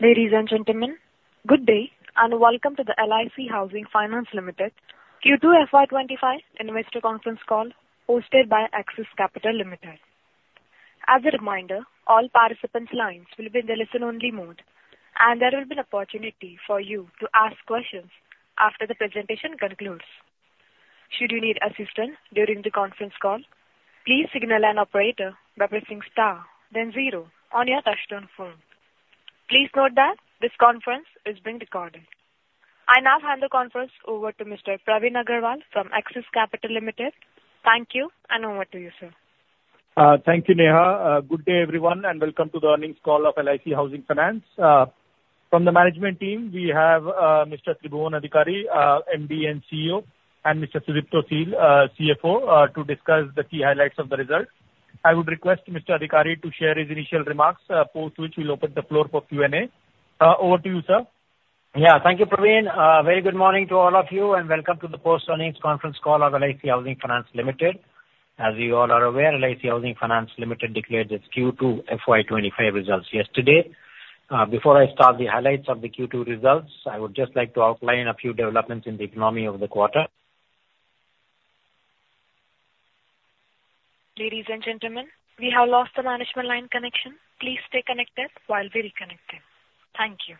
Ladies and gentlemen, good day, and welcome to the LIC Housing Finance Ltd Q2 FY 2025 investor conference call, hosted by Axis Capital Ltd. As a reminder, all participants' lines will be in the listen-only mode, and there will be an opportunity for you to ask questions after the presentation concludes. Should you need assistance during the conference call, please signal an operator by pressing star then zero on your touchtone phone. Please note that this conference is being recorded. I now hand the conference over to Mr. Praveen Agarwal from Axis Capital Ltd. Thank you, and over to you, sir. Thank you, Neha. Good day, everyone, and welcome to the earnings call of LIC Housing Finance. From the management team, we have Mr. Tribhuwan Adhikari, MD and CEO, and Mr. Sudipto Sil, CFO, to discuss the key highlights of the results. I would request Mr. Adhikari to share his initial remarks, post which we'll open the floor for Q&A. Over to you, sir. Yeah. Thank you, Praveen. Very good morning to all of you, and welcome to the post-earnings conference call of LIC Housing Finance Ltd. As you all are aware, LIC Housing Finance Ltd declared its Q2 FY 2025 results yesterday. Before I start the highlights of the Q2 results, I would just like to outline a few developments in the economy over the quarter. Ladies and gentlemen, we have lost the management line connection. Please stay connected while we reconnect it. Thank you.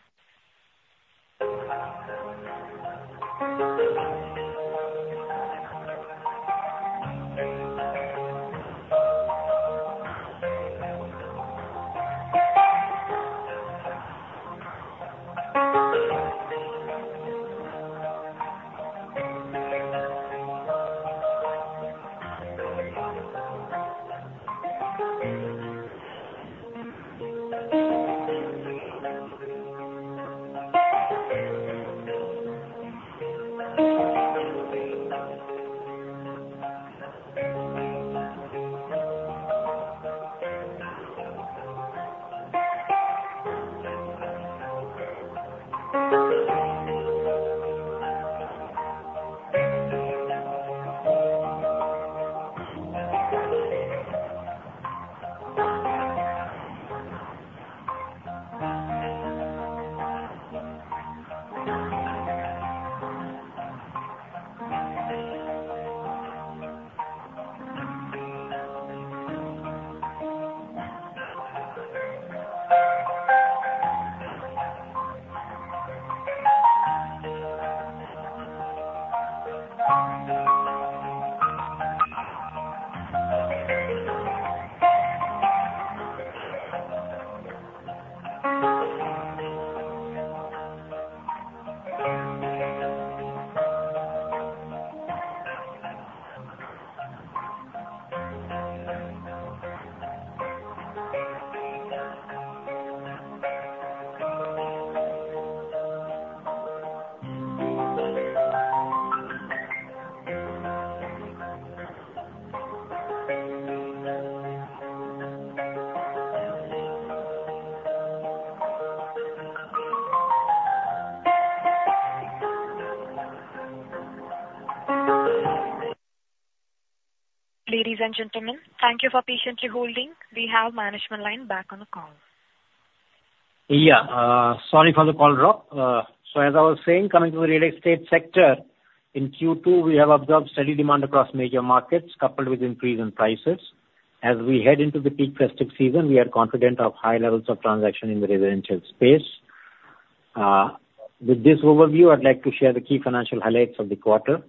Ladies and gentlemen, thank you for patiently holding. We have management line back on the call. Yeah, sorry for the call drop. So as I was saying, coming to the real estate sector, in Q2, we have observed steady demand across major markets, coupled with increase in prices. As we head into the peak festive season, we are confident of high levels of transaction in the residential space. With this overview, I'd like to share the key financial highlights of the quarter.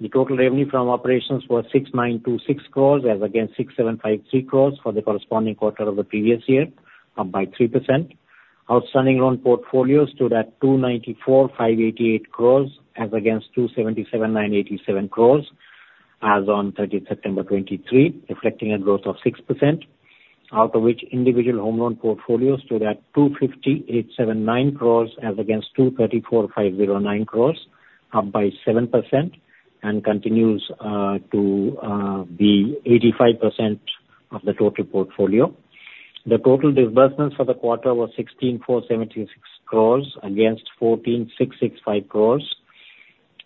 The total revenue from operations was 6,926 crores, as against 6,753 crores for the corresponding quarter of the previous year, up by 3%. Outstanding loan portfolio stood at 294,588 crores, as against 277,987 crores as on 30th September 2023, reflecting a growth of 6%. Out of which, individual home loan portfolio stood at 258,790 crores, as against 234,509 crores, up by 7%, and continues to be 85% of the total portfolio. The total disbursements for the quarter was 16,476 crores against 14,665 crores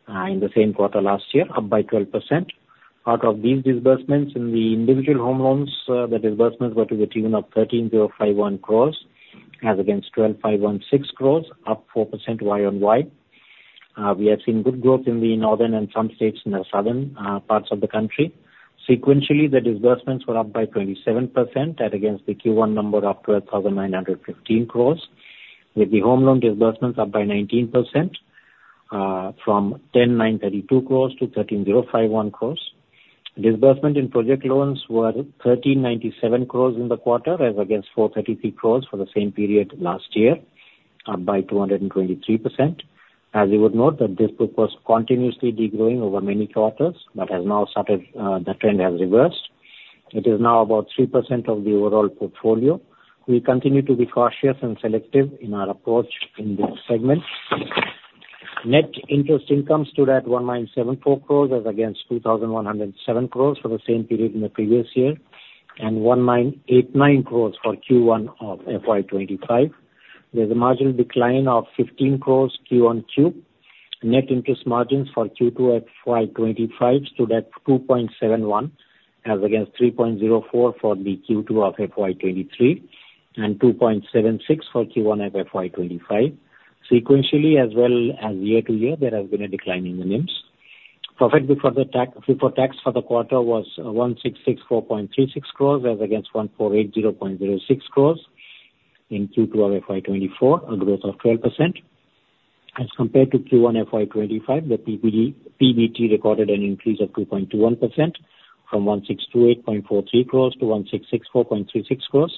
in the same quarter last year, up by 12%. Out of these disbursements, in the individual home loans, the disbursements were to the tune of 13,051 crores, as against 12,516 crores, up 4% year-on-year. We have seen good growth in the northern and some states in the southern parts of the country. Sequentially, the disbursements were up by 27%, as against the Q1 number, up to 1,915 crores, with the home loan disbursements up by 19%, from 1,093 crores to 1,305.1 crores. Disbursement in project loans were 1,397 crores in the quarter, as against 433 crores for the same period last year, up by 223%. As you would note, that this was continuously degrowing over many quarters, but has now started, the trend has reversed. It is now about 3% of the overall portfolio. We continue to be cautious and selective in our approach in this segment. Net interest income stood at 1,974 crores, as against 2,107 crores for the same period in the previous year, and 1,989 crores for Q1 of FY 2025. There's a marginal decline of 15 crores, quarter-over-quarter. Net interest margins for Q2 FY 2025 stood at 2.71%, as against 3.04% for the Q2 of FY 2023, and 2.76% for Q1 of FY 2025. Sequentially, as well as year to year, there has been a decline in the NIMs. Profit before tax for the quarter was 1,664.36 crores, as against 1,480.06 crores in Q2 of FY 2024, a growth of 12%. As compared to Q1 FY 2025, the PBE, PBT recorded an increase of 2.21% from 1,628.43 crores to 1,664.36 crores.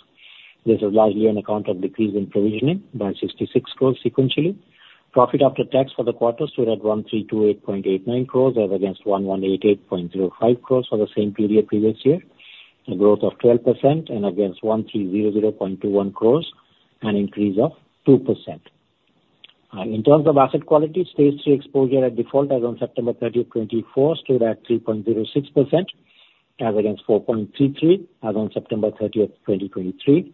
This is largely on account of decrease in provisioning by 66 crores sequentially. Profit after tax for the quarter stood at 1,328.89 crores as against 1,188.05 crores for the same period previous year, a growth of 12% and against 1,300.21 crores, an increase of 2%. In terms of asset quality, stage three exposure at default as on September 30, 2024, stood at 3.06%, as against 4.33% as on September 30th, 2023.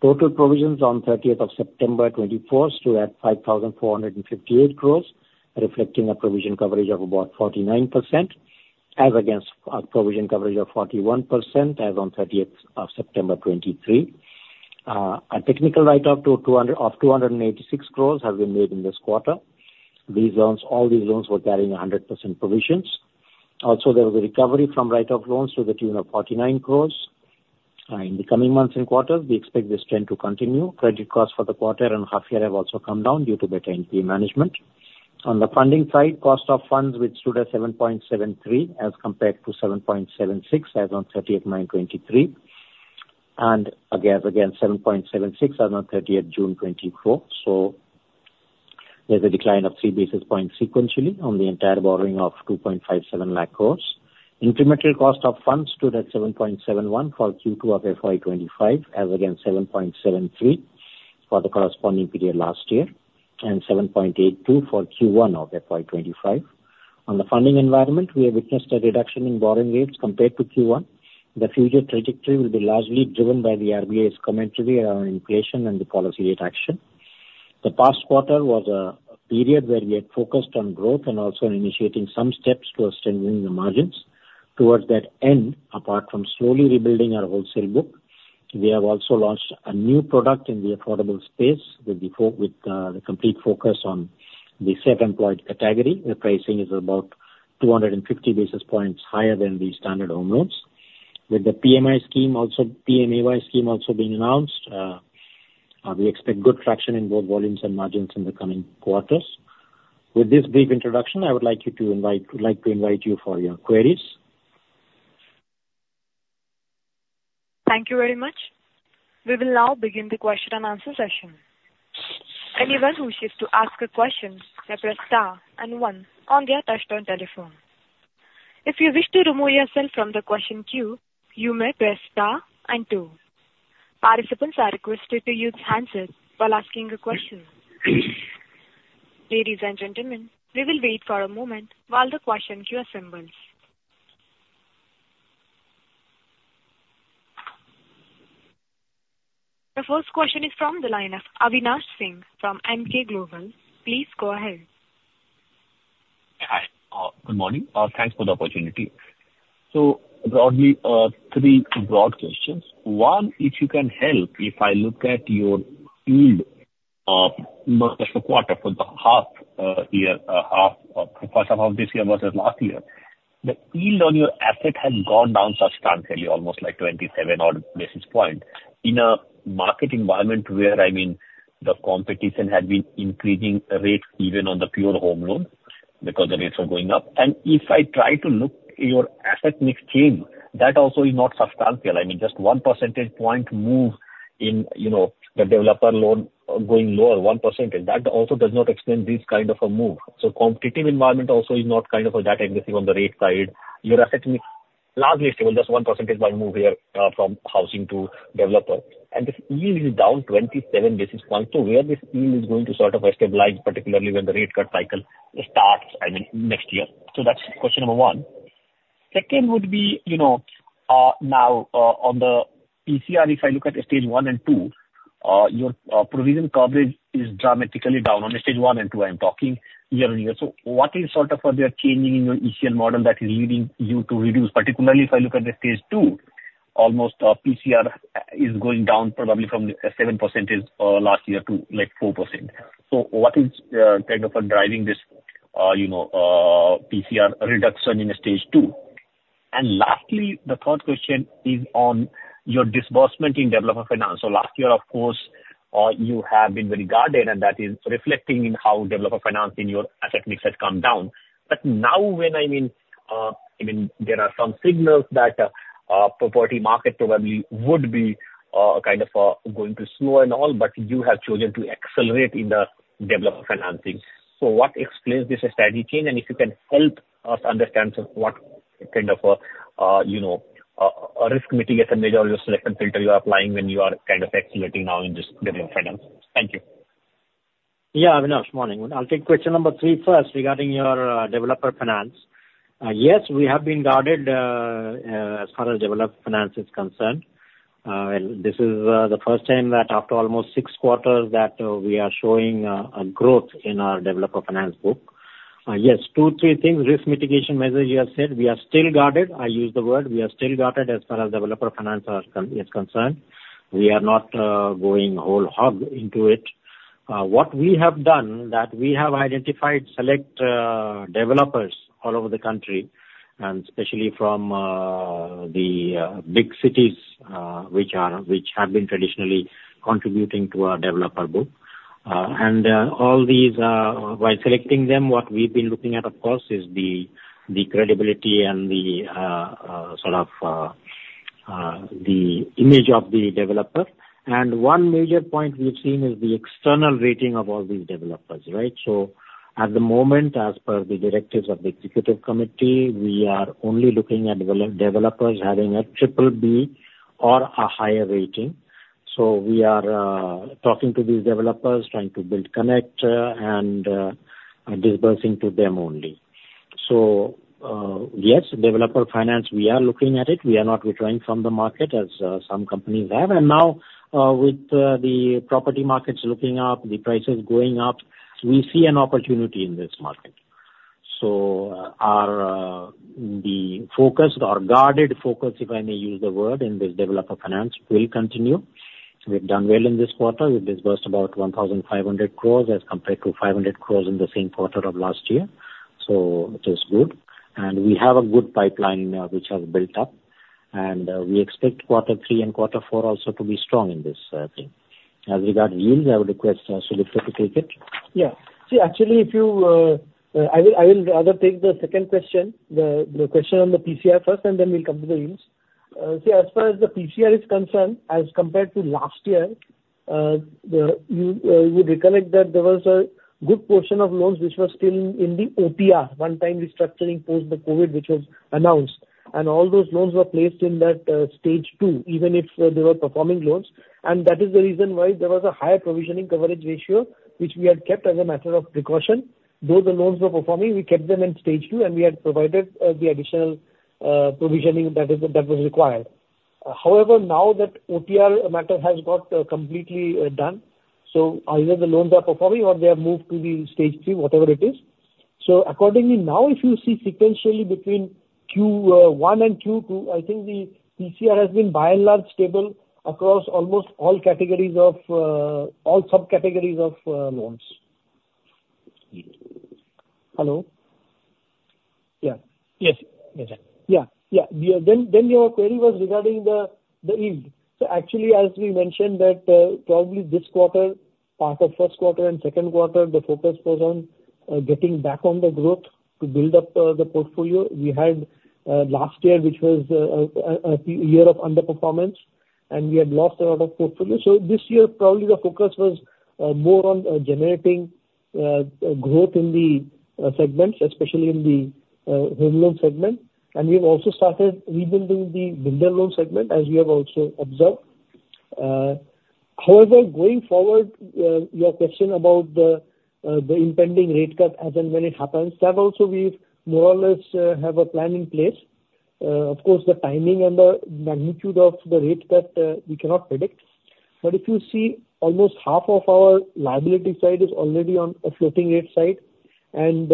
Total provisions on 30th of September 2024 stood at 5,458 crores, reflecting a provision coverage of about 49%, as against a provision coverage of 41% as on 30th of September 2023. A technical write-off to 200, of 286 crores have been made in this quarter. These loans, all these loans were carrying 100% provisions. Also, there was a recovery from write-off loans to the tune of 49 crores. In the coming months and quarters, we expect this trend to continue. Credit costs for the quarter and half year have also come down due to better NP management. On the funding side, cost of funds, which stood at 7.73, as compared to 7.76 as on 30th of May, 2023, and again, as against 7.76 as on 30th June, 2024. So there's a decline of three basis points sequentially on the entire borrowing of 2.57 lakh crores. Incremental cost of funds stood at 7.71 for Q2 of FY 2025, as against 7.73 for the corresponding period last year, and 7.82 for Q1 of FY 2025. On the funding environment, we have witnessed a reduction in borrowing rates compared to Q1. The future trajectory will be largely driven by the RBI's commentary around inflation and the policy rate action. The past quarter was a period where we had focused on growth and also initiating some steps towards strengthening the margins. Towards that end, apart from slowly rebuilding our wholesale book, we have also launched a new product in the affordable space with the complete focus on the self-employed category. The pricing is about two hundred and fifty basis points higher than the standard home loans. With the PMAY scheme also, PMAY scheme also being announced, we expect good traction in both volumes and margins in the coming quarters. With this brief introduction, I would like to invite you for your queries. Thank you very much. We will now begin the question and answer session. Anyone who wishes to ask a question can press star and one on their touch-tone telephone. If you wish to remove yourself from the question queue, you may press star and two. Participants are requested to use handsets while asking a question. Ladies and gentlemen, we will wait for a moment while the question queue assembles. The first question is from the line of Avinash Singh from Emkay Global. Please go ahead. Hi, good morning, thanks for the opportunity. So broadly, three broad questions. One, if you can help, if I look at your yield, not just for quarter, for the half year half first half of this year versus last year, the yield on your asset has gone down substantially, almost like twenty-seven odd basis point. In a market environment where, I mean, the competition had been increasing rates even on the pure home loan, because the rates are going up, and if I try to look your asset mix change, that also is not substantial. I mean, just one percentage point move in, you know, the developer loan, going lower, one percentage, that also does not explain this kind of a move. So competitive environment also is not kind of a data missing on the rate side. Your asset mix, largely stable, just one percentage point move here, from housing to developer. And this yield is down twenty-seven basis points. So where this yield is going to sort of stabilize, particularly when the rate cut cycle starts, I mean, next year? So that's question number one. Second would be, you know, on the ECL, if I look at the stage one and two, your provision coverage is dramatically down on the stage one and two, I am talking year-on-year. So what is sort of further changing in your ECL model that is leading you to reduce? Particularly if I look at the stage two, almost, PCR is going down probably from 7% last year to, like, 4%. So what is, kind of, driving this, you know, PCR reduction in stage two? And lastly, the third question is on your disbursement in developer finance. So last year, of course, you have been very guarded, and that is reflecting in how developer finance in your asset mix has come down. But now when, I mean, I mean, there are some signals that, property market probably would be, kind of, going to slow and all, but you have chosen to accelerate in the developer financing. So what explains this strategy change? And if you can help us understand what kind of, you know, a risk mitigation measure or selection filter you are applying when you are kind of accelerating now in this developer finance. Thank you. Yeah, Avinash, morning. I'll take question number three first regarding your developer finance. Yes, we have been guarded as far as developer finance is concerned. This is the first time that after almost six quarters that we are showing a growth in our developer finance book. Yes, two, three things, risk mitigation measures you have said. We are still guarded. I use the word, we are still guarded as far as developer finance is concerned. We are not going whole hog into it. What we have done, that we have identified select developers all over the country, and especially from the big cities which have been traditionally contributing to our developer book. And all these while selecting them, what we've been looking at, of course, is the credibility and the sort of the image of the developer. And one major point we've seen is the external rating of all these developers, right? So at the moment, as per the directives of the executive committee, we are only looking at developers having a triple B or a higher rating. So we are talking to these developers, trying to build connect, and disbursing to them only. So yes, developer finance, we are looking at it. We are not withdrawing from the market as some companies have. And now with the property markets looking up, the prices going up, we see an opportunity in this market. Our guarded focus, if I may use the word, in this developer finance, will continue. We've done well in this quarter. We disbursed about 1,500 crores as compared to 500 crores in the same quarter of last year, so which is good. And we have a good pipeline, which has built up, and we expect quarter three and quarter four also to be strong in this thing. As regards yields, I would request Sudipto to take it. Yeah. See, actually, if you, I will rather take the second question, the question on the PCR first, and then we'll come to the yields. See, as far as the PCR is concerned, as compared to last year, you would recollect that there was a good portion of loans which were still in the OTR, one-time restructuring post the COVID, which was announced, and all those loans were placed in that, stage two, even if, they were performing loans. And that is the reason why there was a higher provisioning coverage ratio, which we had kept as a matter of precaution. Though the loans were performing, we kept them in stage two, and we had provided, the additional, provisioning that was required. However, now that OTR matter has got completely done, so either the loans are performing or they have moved to the stage three, whatever it is. So accordingly, now if you see sequentially between Q1 and Q2, I think the PCR has been by and large stable across almost all categories of all subcategories of loans. Hello? Yeah. Yes, yes, sir. Yeah, yeah. Then your query was regarding the yield. So actually, as we mentioned that, probably this quarter, part of first quarter and second quarter, the focus was on getting back on the growth to build up the portfolio. We had last year, which was a poor year of underperformance, and we had lost a lot of portfolio. So this year, probably the focus was more on generating growth in the segments, especially in the home loan segment. And we've also started rebuilding the builder loan segment, as we have also observed. However, going forward, your question about the impending rate cut as and when it happens, that also we more or less have a plan in place. Of course, the timing and the magnitude of the rate cut, we cannot predict. But if you see, almost half of our liability side is already on a floating rate side, and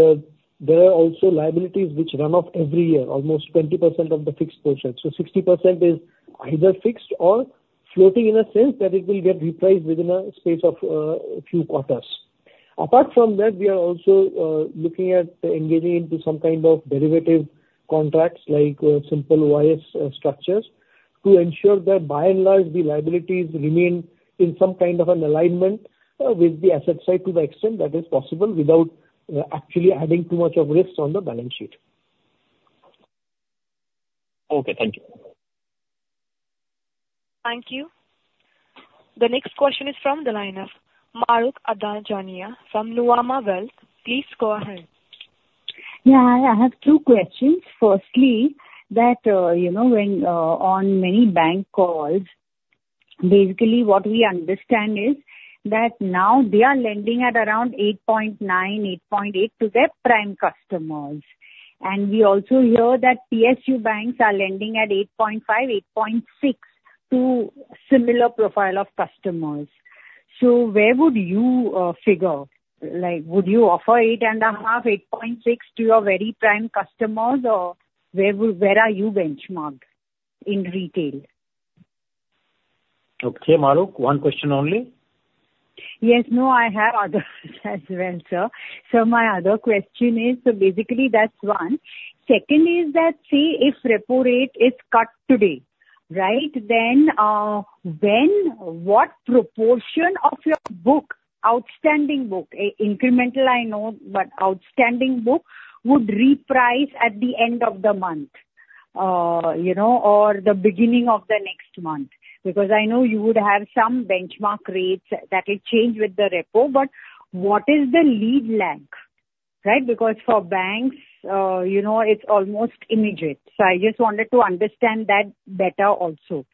there are also liabilities which run off every year, almost 20% of the fixed portion. So 60% is either fixed or floating in a sense that it will get repriced within a space of a few quarters. Apart from that, we are also looking at engaging into some kind of derivative contracts, like simple swap structures, to ensure that by and large, the liabilities remain in some kind of an alignment with the asset side, to the extent that is possible, without actually adding too much of risk on the balance sheet. Okay, thank you. Thank you. The next question is from the line of Mahrukh Adajania from Nuvama Wealth. Please go ahead. Yeah, I have two questions. Firstly, you know, when on many bank calls, basically what we understand is that now they are lending at around 8.9%-8.8% to their prime customers. And we also hear that PSU banks are lending at 8.5%-8.6% to similar profile of customers. So where would you figure? Like, would you offer 8.5%-8.6% to your very prime customers, or where are you benchmarked in retail? Okay, Mahrukh, one question only. Yes. No, I have others as well, sir. So my other question is, so basically that's one. Second is that, say, if repo rate is cut today, right, then, when, what proportion of your book, outstanding book, incremental I know, but outstanding book, would reprice at the end of the month? You know, or the beginning of the next month. Because I know you would have some benchmark rates that will change with the repo, but what is the lead lag, right? Because for banks, you know, it's almost immediate, so I just wanted to understand that better also.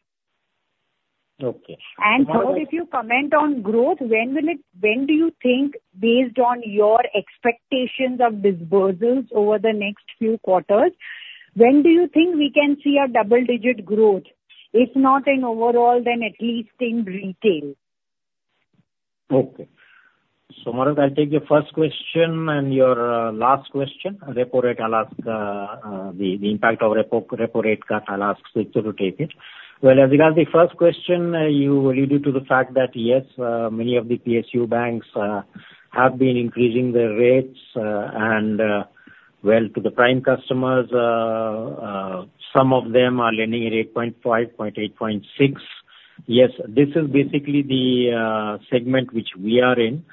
Okay. And third, if you comment on growth, when will it, when do you think, based on your expectations of disbursements over the next few quarters, when do you think we can see a double digit growth? If not in overall, then at least in retail. Okay. So, Simak, I'll take the first question and your last question. Repo rate, I'll ask the impact of repo rate cut, I'll ask Sudipto to take it. Well, as regard the first question, you alluded to the fact that, yes, many of the PSU banks have been increasing their rates, and well, to the prime customers, some of them are lending at eight point five, point eight, point six. Yes, this is basically the segment which we are in.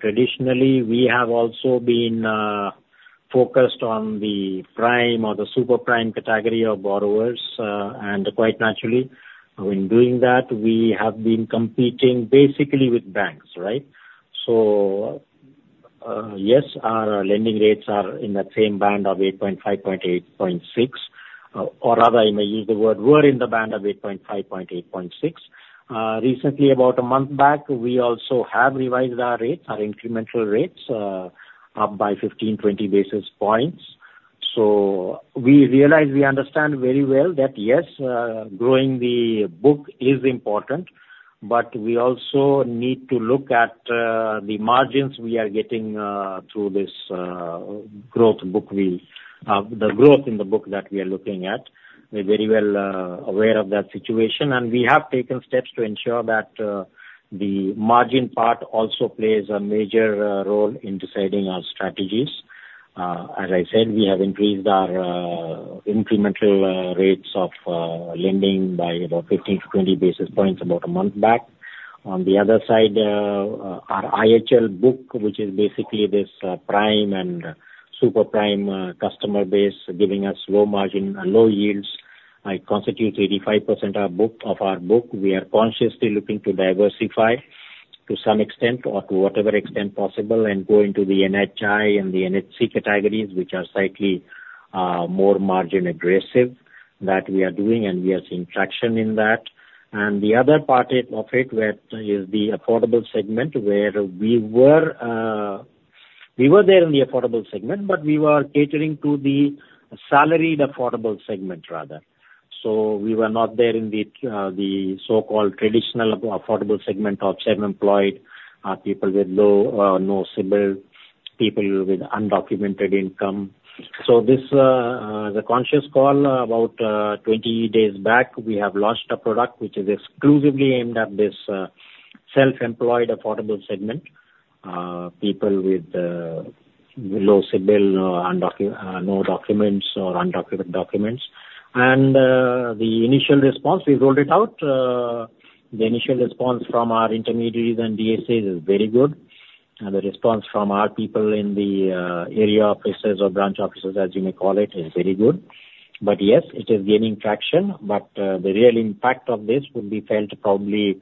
Traditionally, we have also been focused on the prime or the super prime category of borrowers, and quite naturally, in doing that, we have been competing basically with banks, right? So, yes, our lending rates are in that same band of 8.5 to 8.6, or rather, I may use the word, we're in the band of 8.5%-8.6. Recently, about a month back, we also have revised our rates, our incremental rates, up by 15-20 basis points. So we realize, we understand very well that, yes, growing the book is important, but we also need to look at the margins we are getting through this, the growth in the book that we are looking at. We're very well aware of that situation, and we have taken steps to ensure that the margin part also plays a major role in deciding our strategies. As I said, we have increased our incremental rates of lending by about 15-20 basis points about a month back. On the other side, our IHL book, which is basically this prime and super prime customer base, giving us low margin and low yields, constitutes 85% of our book. We are consciously looking to diversify to some extent or to whatever extent possible and go into the NHI and the NHC categories, which are slightly more margin aggressive. That we are doing, and we are seeing traction in that. The other part of it is the affordable segment, where we were in the affordable segment, but we were catering to the salaried affordable segment rather. So we were not there in the so-called traditional affordable segment of self-employed people with low or no CIBIL, people with undocumented income. So this, the conscious call about twenty days back, we have launched a product which is exclusively aimed at this self-employed affordable segment, people with low CIBIL or no documents or undocumented documents. And the initial response, we rolled it out, the initial response from our intermediaries and DSAs is very good. And the response from our people in the area offices or branch offices, as you may call it, is very good. But yes, it is gaining traction, but the real impact of this will be felt probably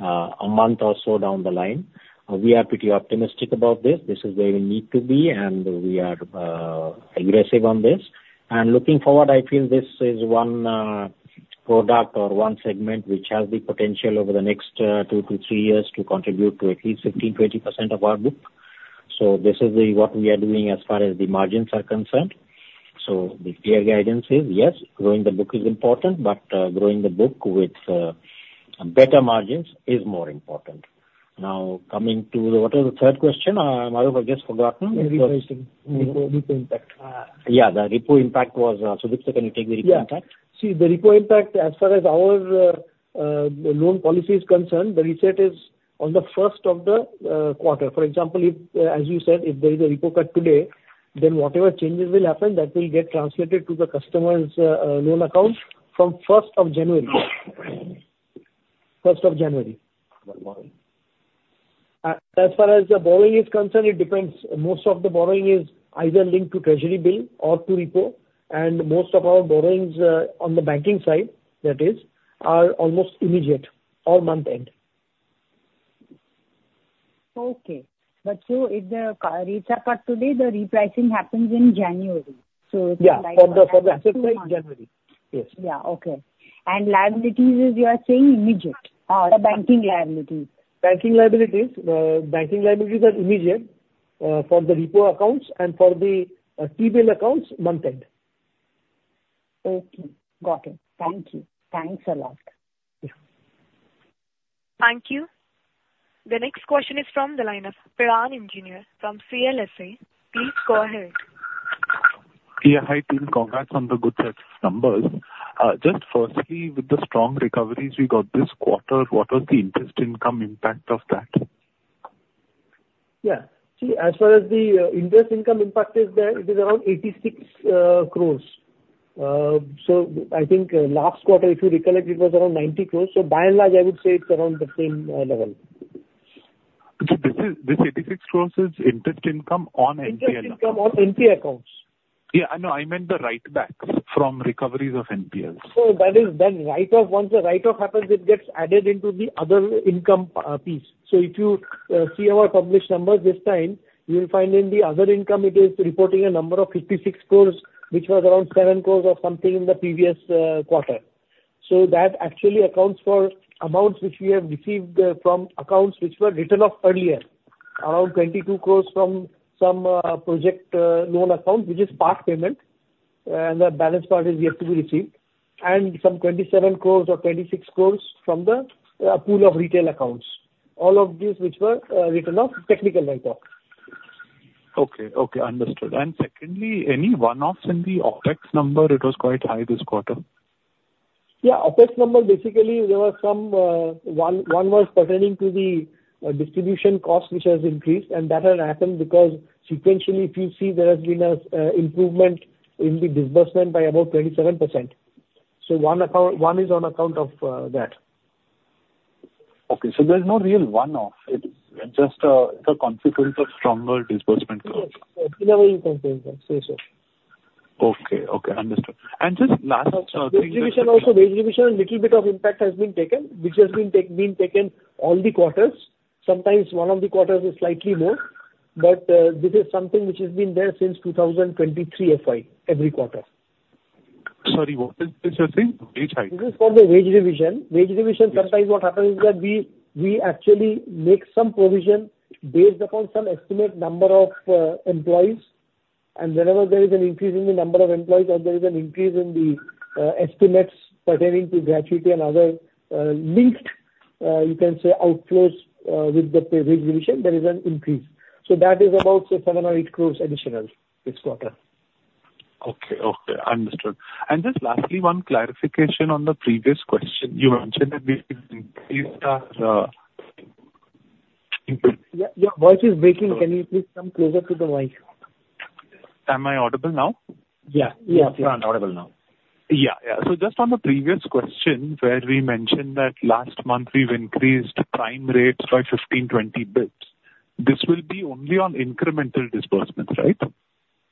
a month or so down the line. We are pretty optimistic about this. This is where we need to be, and we are aggressive on this. Looking forward, I feel this is one product or one segment which has the potential over the next two to three years to contribute to at least 15%-20% of our book. So this is what we are doing as far as the margins are concerned. So the clear guidance is, yes, growing the book is important, but growing the book with better margins is more important. Now, coming to the... What was the third question? I have just forgotten. The repricing. Repo, repo impact. Yeah, the repo impact was, Sudipto, so can you take the repo impact? Yeah. See, the repo impact, as far as our loan policy is concerned, the reset is on the first of the quarter. For example, if, as you said, if there is a repo cut today, then whatever changes will happen, that will get transmitted to the customer's loan account from first of January. First of January. As far as the borrowing is concerned, it depends. Most of the borrowing is either linked to Treasury bill or to repo, and most of our borrowings, on the banking side, that is, are almost immediate or month-end. Okay. But so if the rates are cut today, the repricing happens in January, so- Yeah. Like, after two months. For the effect by January. Yes. Yeah, okay. And liabilities, you are saying immediate? The banking liability. Banking liabilities are immediate for the repo accounts and for the T-bill accounts, month-end. Okay. Got it. Thank you. Thanks a lot. Yeah. Thank you. The next question is from the line of Piran Engineer from CLSA. Please go ahead. Yeah, hi, team. Congrats on the good numbers. Just firstly, with the strong recoveries we got this quarter, what was the interest income impact of that? Yeah. See, as far as the interest income impact is there, it is around 86 crores. So I think last quarter, if you recollect, it was around 90 crores. So by and large, I would say it's around the same level. Okay. This is, this 86 crores is interest income on NPA- Interest income on NPA accounts. Yeah, I know. I meant the write-back from recoveries of NPAs. So that is the write-off. Once the write-off happens, it gets added into the other income piece. So if you see our published numbers this time, you will find in the other income, it is reporting a number of 56 crores, which was around 7 crores or something in the previous quarter. So that actually accounts for amounts which we have received from accounts which were written off earlier, around 22 crores from some project loan account, which is part payment, and the balance part is yet to be received, and some 27 crores or 26 crores from the pool of retail accounts. All of these which were written off technical write-off. Okay, okay, understood. Secondly, any one-offs in the OpEx number? It was quite high this quarter. Yeah. OpEx number, basically, there were some. One was pertaining to the distribution cost, which has increased, and that had happened because sequentially, if you see, there has been a improvement in the disbursement by about 27%. So one account, one is on account of that. Okay, so there's no real one-off. It's just, the consequence of stronger disbursement growth? Yes. In a way you can say so. Okay, okay, understood. And just last, Wage revision also. Wage revision, a little bit of impact has been taken, which has been taken all the quarters. Sometimes one of the quarters is slightly more, but this is something which has been there since 2023 FY, every quarter. Sorry, what was this you're saying? Wage hike. This is for the wage revision. Yes. Wage revision, sometimes what happens is that we actually make some provision based upon some estimate number of employees, and whenever there is an increase in the number of employees or there is an increase in the estimates pertaining to gratuity and other linked, you can say, outflows with the wage revision, there is an increase. So that is about say, 7 crores or 8 crores additional this quarter. Okay. Okay, understood. And just lastly, one clarification on the previous question. You mentioned that there has been increased increase- Yeah, your voice is breaking. Can you please come closer to the mic? Am I audible now? Yeah. Yeah, you are audible now. Yeah, yeah. So just on the previous question, where we mentioned that last month we've increased prime rates by 15-20 basis points, this will be only on incremental disbursements, right?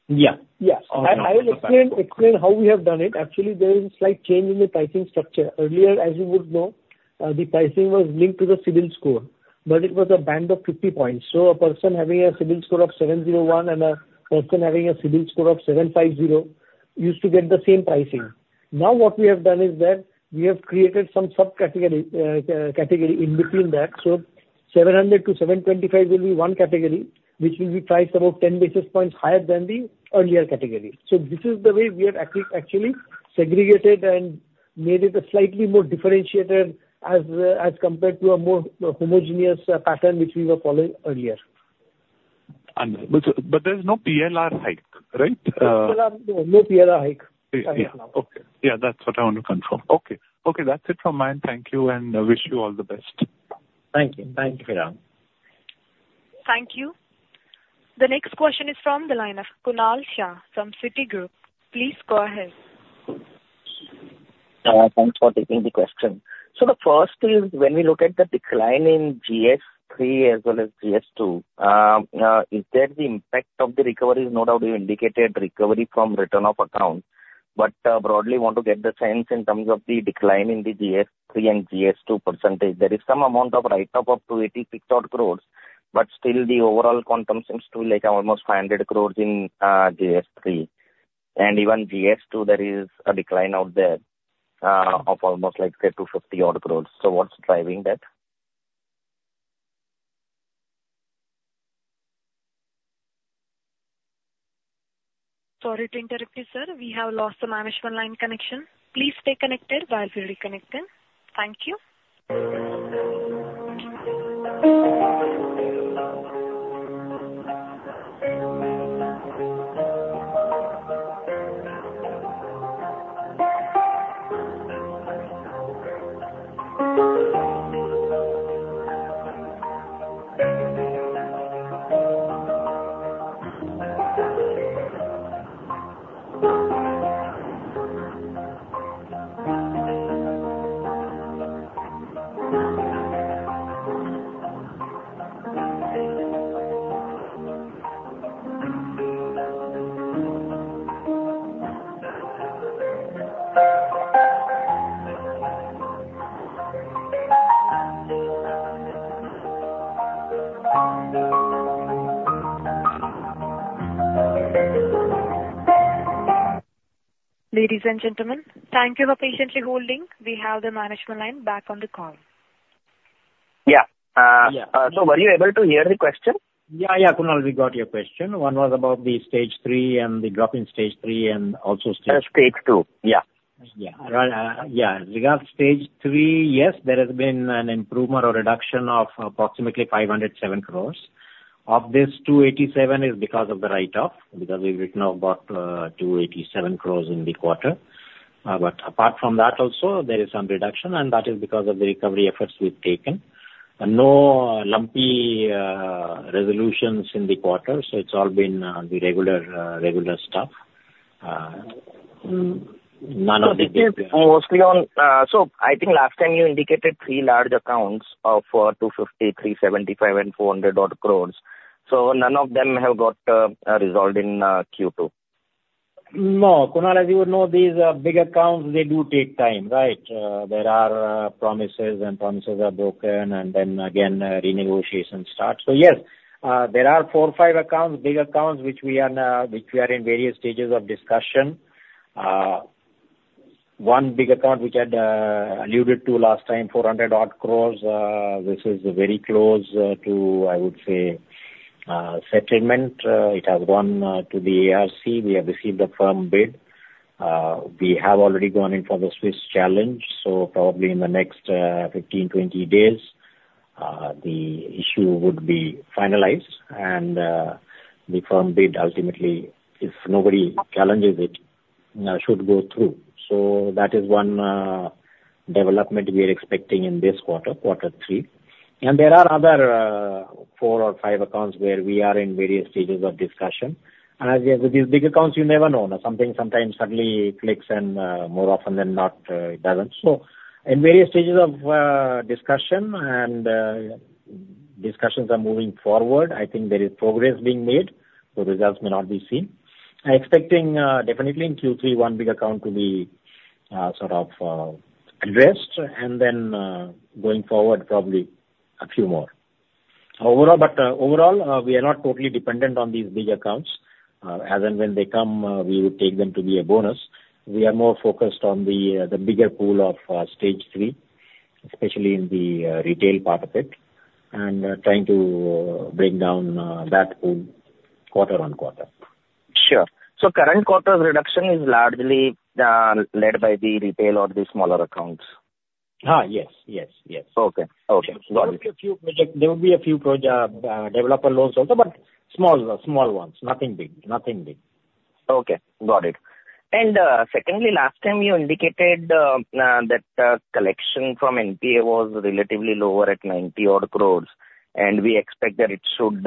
Yeah. Yeah. Okay. I will explain how we have done it. Actually, there is a slight change in the pricing structure. Earlier, as you would know, the pricing was linked to the CIBIL score, but it was a band of 50 points. So a person having a CIBIL score of 701 and a person having a CIBIL score of 750 used to get the same pricing. Now, what we have done is that we have created some subcategory, category in between that. So 700 to 725 will be one category, which will be priced about 10 basis points higher than the earlier category. So this is the way we have actually segregated and made it a slightly more differentiated as compared to a more homogeneous pattern, which we were following earlier. But there's no PLR hike, right? No PLR, no PLR hike. Yeah. Okay. Yeah, that's what I want to confirm. Okay. Okay, that's it from my end. Thank you, and wish you all the best. Thank you. Thank you, Piran. Thank you. The next question is from the line of Kunal Shah from Citigroup. Please go ahead. Thanks for taking the question. So the first is, when we look at the decline in stage three as well as stage two, is that the impact of the recovery? No doubt you indicated recovery from written-off account, but, broadly, want to get the sense in terms of the decline in the stage three and stage two percentage. There is some amount of write-off of 28 odd crores, but still the overall quantum seems to like almost 100 crores in stage three. And even stage two, there is a decline out there of almost like, say, 250 odd crores. So what's driving that? Sorry to interrupt you, sir. We have lost the management line connection. Please stay connected while we reconnect them. Thank you. Ladies and gentlemen, thank you for patiently holding. We have the management line back on the call. Yeah. Yeah. So were you able to hear the question? Yeah, yeah, Kunal, we got your question. One was about the stage three and the drop in stage three, and also stage- stage two. Yeah. Regarding stage three, yes, there has been an improvement or reduction of approximately 507 crores. Of this, 287 is because of the write-off, because we've written off about 287 crores in the quarter. But apart from that also, there is some reduction, and that is because of the recovery efforts we've taken. No lumpy resolutions in the quarter, so it's all been the regular stuff. None of the- Mostly on... so I think last time you indicated three large accounts of 250 crores, 375 crores, and 400-odd crores, so none of them have got resolved in Q2? No, Kunal, as you would know, these big accounts, they do take time, right? There are promises, and promises are broken, and then again, renegotiation starts. So yes, there are four or five accounts, big accounts, which we are in various stages of discussion.... one big account, which I had alluded to last time, 400-odd crores. This is very close to, I would say, settlement. It has gone to the ARC. We have received a firm bid. We have already gone in for the Swiss Challenge, so probably in the next 15-20 days, the issue would be finalized, and the firm bid ultimately, if nobody challenges it, should go through. So that is one development we are expecting in this quarter, quarter three. And there are other four or five accounts where we are in various stages of discussion. And as with these big accounts, you never know. Now, something sometimes suddenly clicks, and more often than not, it doesn't. So in various stages of discussion and discussions are moving forward. I think there is progress being made, so results may not be seen. I'm expecting definitely in Q3, one big account to be sort of addressed, and then going forward, probably a few more. Overall, but overall, we are not totally dependent on these big accounts. As and when they come, we would take them to be a bonus. We are more focused on the bigger pool of stage three, especially in the retail part of it, and trying to bring down that pool quarter-on-quarter. Sure. So current quarter's reduction is largely led by the retail or the smaller accounts? Ah, yes. Yes, yes. Okay. Okay. There will be a few project developer loans also, but small, small ones. Nothing big, nothing big. Okay, got it. And secondly, last time you indicated that collection from NPA was relatively lower at 90-odd crores, and we expect that it should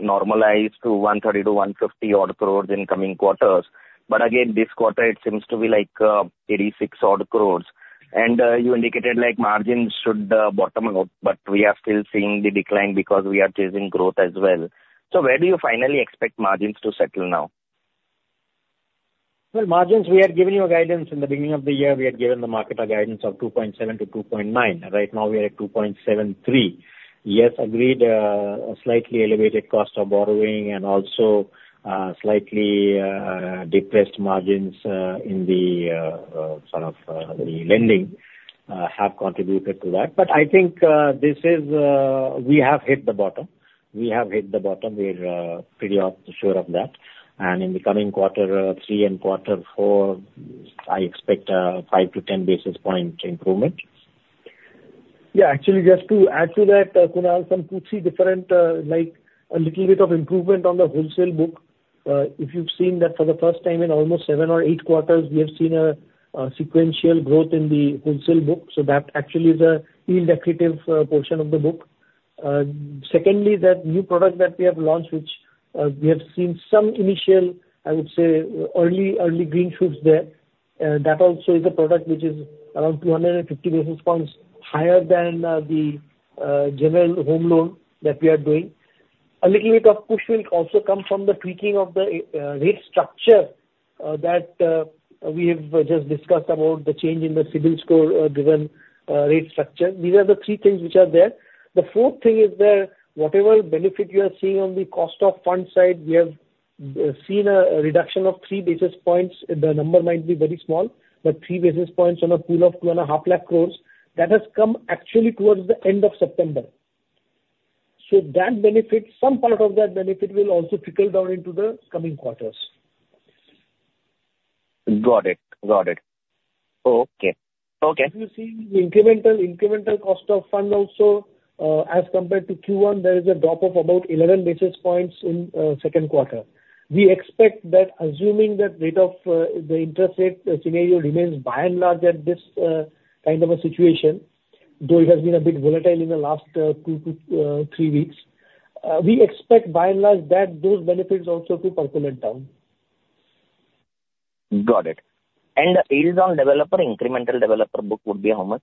normalize to 130 crores-150-odd crores in coming quarters. But again, this quarter it seems to be like 86-odd crores. And you indicated like margins should bottom out, but we are still seeing the decline because we are chasing growth as well. So where do you finally expect margins to settle now? Margins, we had given you a guidance in the beginning of the year. We had given the market a guidance of 2.7%-2.9%. Right now, we are at 2.73%. Yes, agreed, a slightly elevated cost of borrowing and also slightly depressed margins in the sort of the lending have contributed to that. But I think this is. We have hit the bottom. We have hit the bottom. We are pretty sure of that. And in the coming quarter three and quarter four, I expect a 5-10 basis point improvement. Yeah, actually, just to add to that, Kunal, some two, three different, like a little bit of improvement on the wholesale book. If you've seen that for the first time in almost seven or eight quarters, we have seen a sequential growth in the wholesale book, so that actually is an indicative portion of the book. Secondly, that new product that we have launched, which we have seen some initial, I would say, early green shoots there. That also is a product which is around two hundred and fifty basis points higher than the general home loan that we are doing. A little bit of push will also come from the tweaking of the rate structure that we have just discussed about the change in the CIBIL score driven rate structure. These are the three things which are there. The fourth thing is that whatever benefit you are seeing on the cost of funds side, we have seen a reduction of three basis points. The number might be very small, but three basis points on a pool of 2.5 lakh crores, that has come actually towards the end of September. So that benefit, some part of that benefit will also trickle down into the coming quarters. Got it. Got it. Okay. Okay. If you see the incremental cost of funds also, as compared to Q1, there is a drop of about 11 basis points in second quarter. We expect that assuming that rate of the interest rate scenario remains by and large at this kind of a situation, though it has been a bit volatile in the last two to three weeks. We expect by and large, that those benefits also to percolate down. Got it. And yields on developer, incremental developer book would be how much?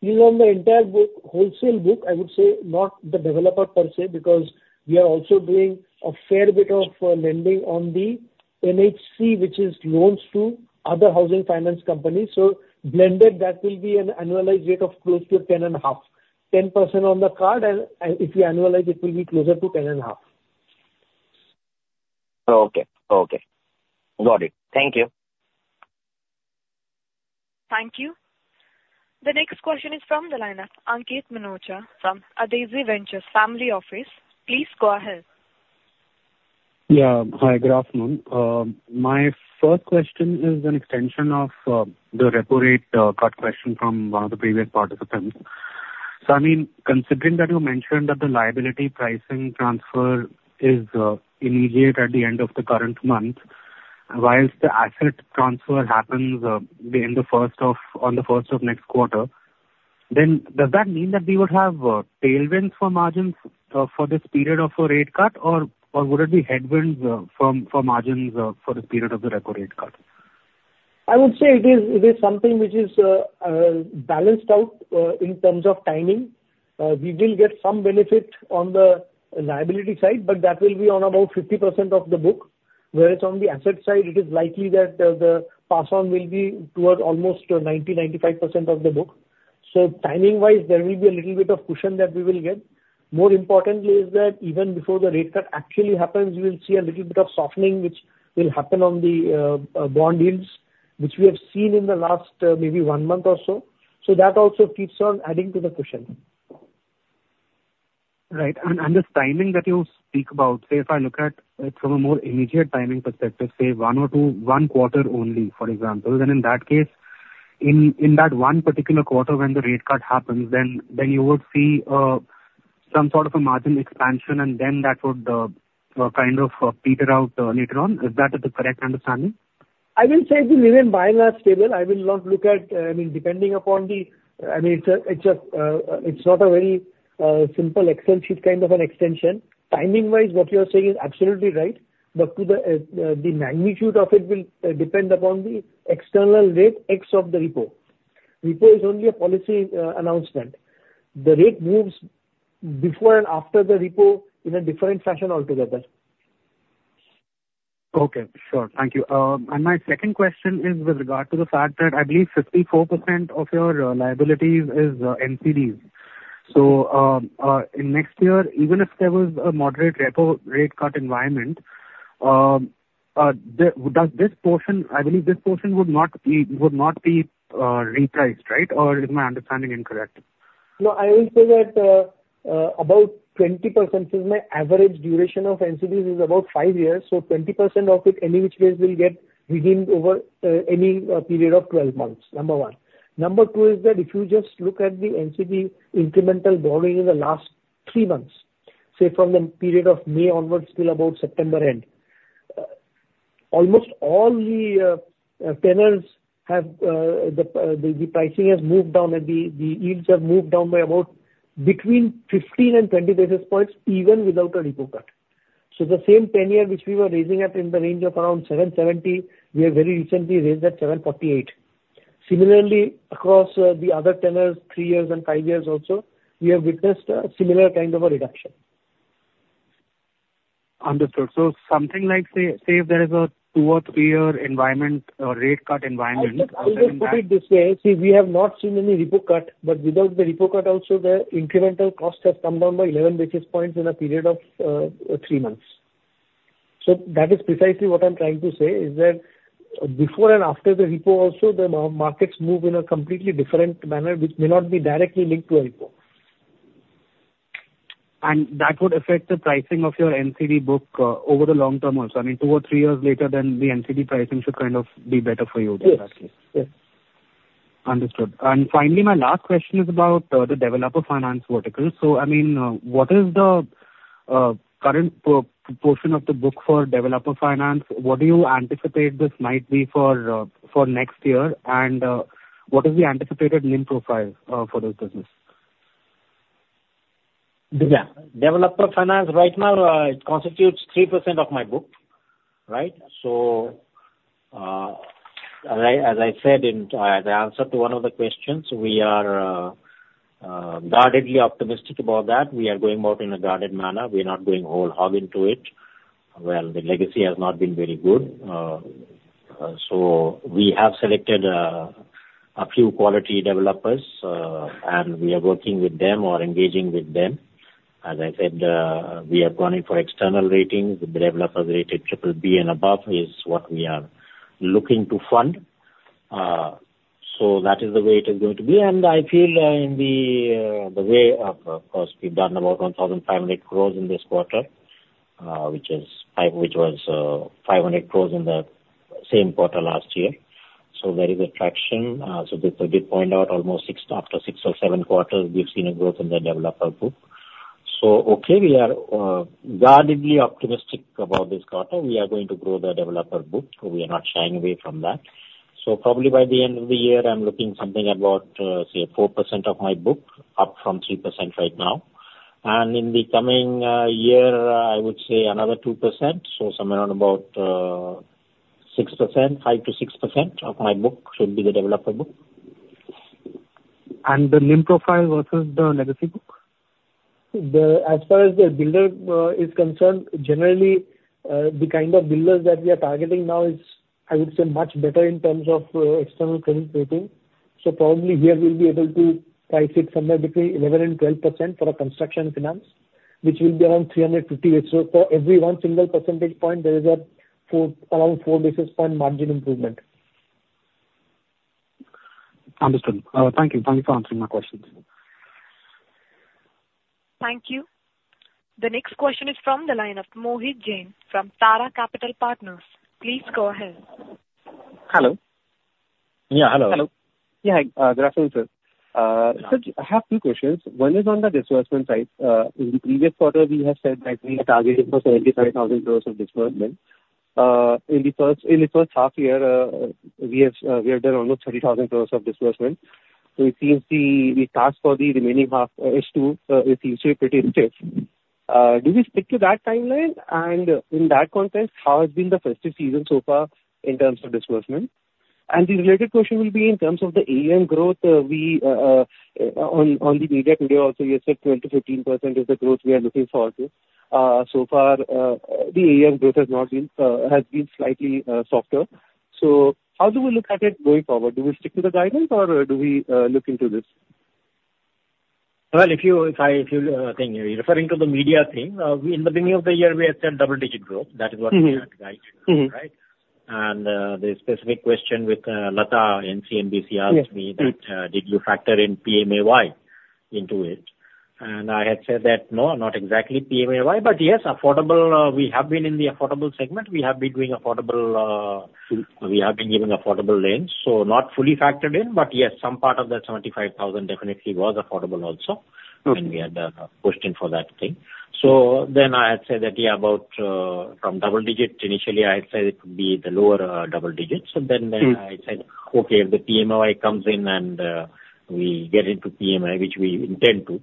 Yield on the entire book, wholesale book, I would say not the developer per se, because we are also doing a fair bit of, lending on the NHC, which is loans to other housing finance companies. So blended, that will be an annualized rate of close to 10.5%. 10% on the card, and if you annualize, it will be closer to 10.5%. Okay. Okay, got it. Thank you. Thank you. The next question is from the line of Ankit Minocha from Adezi Ventures Family Office. Please go ahead. Yeah. Hi, good afternoon. My first question is an extension of the Repo rate cut question from one of the previous participants. So, I mean, considering that you mentioned that the liability pricing transfer is immediate at the end of the current month, while the asset transfer happens on the first of next quarter, then does that mean that we would have tailwinds for margins for this period of a rate cut, or would it be headwinds for margins for the period of the Repo rate cut? I would say it is something which is balanced out in terms of timing. We will get some benefit on the liability side, but that will be on about 50% of the book, whereas on the asset side, it is likely that the pass-on will be towards almost 90%-95% of the book. So timing wise, there will be a little bit of cushion that we will get. More importantly is that even before the rate cut actually happens, we will see a little bit of softening, which will happen on the bond yields, which we have seen in the last maybe one month or so. So that also keeps on adding to the cushion. Right. And this timing that you speak about, say, if I look at it from a more immediate timing perspective, say one or two, one quarter only, for example, then in that case, in that one particular quarter when the rate cut happens, then you would see some sort of a margin expansion, and then that would kind of peter out later on. Is that the correct understanding? I will say it will remain largely stable. I will not look at, I mean, depending upon the, I mean, it's a, it's not a very simple Excel sheet kind of an extension. Timing-wise, what you are saying is absolutely right, but to the magnitude of it will depend upon the expected rate cuts of the Repo. Repo is only a policy announcement. The rate moves before and after the Repo in a different fashion altogether. Okay. Sure. Thank you. And my second question is with regard to the fact that I believe 54% of your liabilities is NCDs. So, in next year, even if there was a moderate Repo rate cut environment, does this portion, I believe this portion would not be repriced, right? Or is my understanding incorrect? No, I will say that, about 20% is my average duration of NCDs is about five years, so 20% of it any which case will get redeemed over, any, period of 12 months, number one. Number two is that if you just look at the NCD incremental borrowing in the last three months, say from the period of May onwards till about September end, almost all the, tenors have, the pricing has moved down and the yields have moved down by about between 15 and 20 basis points, even without a Repo cut. So the same tenure which we were raising at in the range of around 7.70, we have very recently raised at 7.48. Similarly, across the other tenors, three years and five years also, we have witnessed a similar kind of a reduction. Understood. So something like, say, if there is a two or three-year environment or rate cut environment- I would put it this way: See, we have not seen any repo cut, but without the repo cut also, the incremental costs have come down by eleven basis points in a period of three months. So that is precisely what I'm trying to say, is that before and after the repo also, the markets move in a completely different manner which may not be directly linked to a repo. And that would affect the pricing of your NCD book, over the long term also. I mean, two or three years later, then the NCD pricing should kind of be better for you then, actually. Yes. Yes. Understood. And finally, my last question is about the developer finance vertical. So, I mean, what is the current portion of the book for developer finance? What do you anticipate this might be for next year? And what is the anticipated NIM profile for this business? Yeah. Developer finance right now, it constitutes 3% of my book, right? So, as I said in the answer to one of the questions, we are guardedly optimistic about that. We are going about in a guarded manner. We are not going whole hog into it, where the legacy has not been very good. So we have selected a few quality developers, and we are working with them or engaging with them. As I said, we are going in for external ratings. The developers rated triple B and above is what we are looking to fund. So that is the way it is going to be. I feel in the way of cost we've done about 1,500 crores in this quarter, which was 500 crores in the same quarter last year. So there is traction. So just to point out, after six or seven quarters, we've seen a growth in the developer book. So okay, we are guardedly optimistic about this quarter. We are going to grow the developer book. We are not shying away from that. So probably by the end of the year, I'm looking something about, say, 4% of my book, up from 3% right now. And in the coming year, I would say another 2%, so somewhere around about 6%, 5%-6% of my book should be the developer book. The NIM profile versus the legacy book? As far as the builder is concerned, generally, the kind of builders that we are targeting now is, I would say, much better in terms of external credit rating. So probably here we'll be able to price it somewhere between 11% and 12% for a construction finance, which will be around 350 basis points. So for every one single percentage point, there is around four basis points margin improvement. Understood. Thank you. Thank you for answering my questions. Thank you. The next question is from the line of Mohit Jain from Tara Capital Partners. Please go ahead. Hello. Yeah, hello. Hello. Yeah, hi. Good afternoon, sir. So I have two questions. One is on the disbursement side. In the previous quarter, we have said that we are targeting for 75,000 crores of disbursement. In the first half year, we have done almost 30,000 crores of disbursement. So it seems the task for the remaining half is to it seems to be pretty strict. Do we stick to that timeline? And in that context, how has been the festive season so far in terms of disbursement? And the related question will be in terms of the AUM growth. On the media today also, you said 20% to 15% is the growth we are looking for this. So far, the AUM growth has been slightly softer. So how do we look at it going forward? Do we stick to the guidance or do we look into this? If you think you're referring to the media thing in the beginning of the year, we had said double-digit growth. Mm-hmm. That is what we had guided, right? Mm-hmm. The specific question with Lata and CNBC asked me- Yes. -that, did you factor in PMAY into it? And I had said that, "No, not exactly PMAY," but yes, affordable, we have been in the affordable segment. We have been doing affordable, we have been giving affordable loans, so not fully factored in, but yes, some part of that 75,000 definitely was affordable also. Okay. And we had questioned for that thing. So then I had said that, yeah, about from double digits, initially, I had said it would be the lower double digits. Mm. Then I said, "Okay, if the PMAY comes in and we get into PMAY, which we intend to,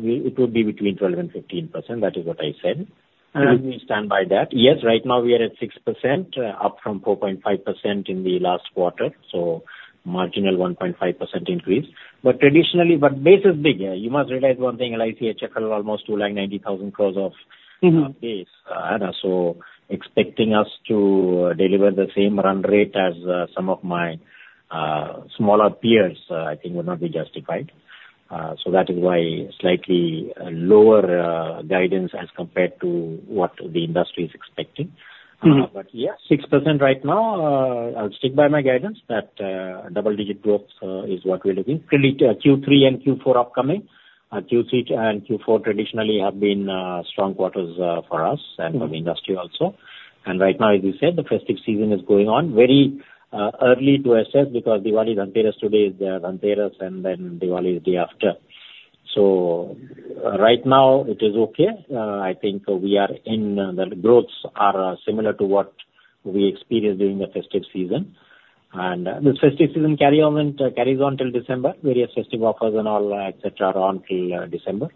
we, it would be between 12% and 15%." That is what I said. Uh- We stand by that. Yes, right now we are at 6%, up from 4.5% in the last quarter, so marginal 1.5% increase. But traditionally, base is big. You must realize one thing, in IHL, almost 2.9 crores of- Mm-hmm base. So expecting us to deliver the same run rate as some of my smaller peers, I think would not be justified. So that is why slightly lower guidance as compared to what the industry is expecting. Mm. But yeah, 6% right now. I'll stick by my guidance that double digit growth is what we're looking. Clearly, Q3 and Q4 upcoming. Q3 and Q4 traditionally have been strong quarters for us- Mm and for the industry also. And right now, as you said, the festive season is going on. Very early to assess because Diwali is on Thursday this year, on Thursday, and then Diwali is the day after. So right now it is okay. I think the growths are similar to what we experienced during the festive season. And the festive season carries on till December. Various festive offers and all, et cetera, are on till December. Mm.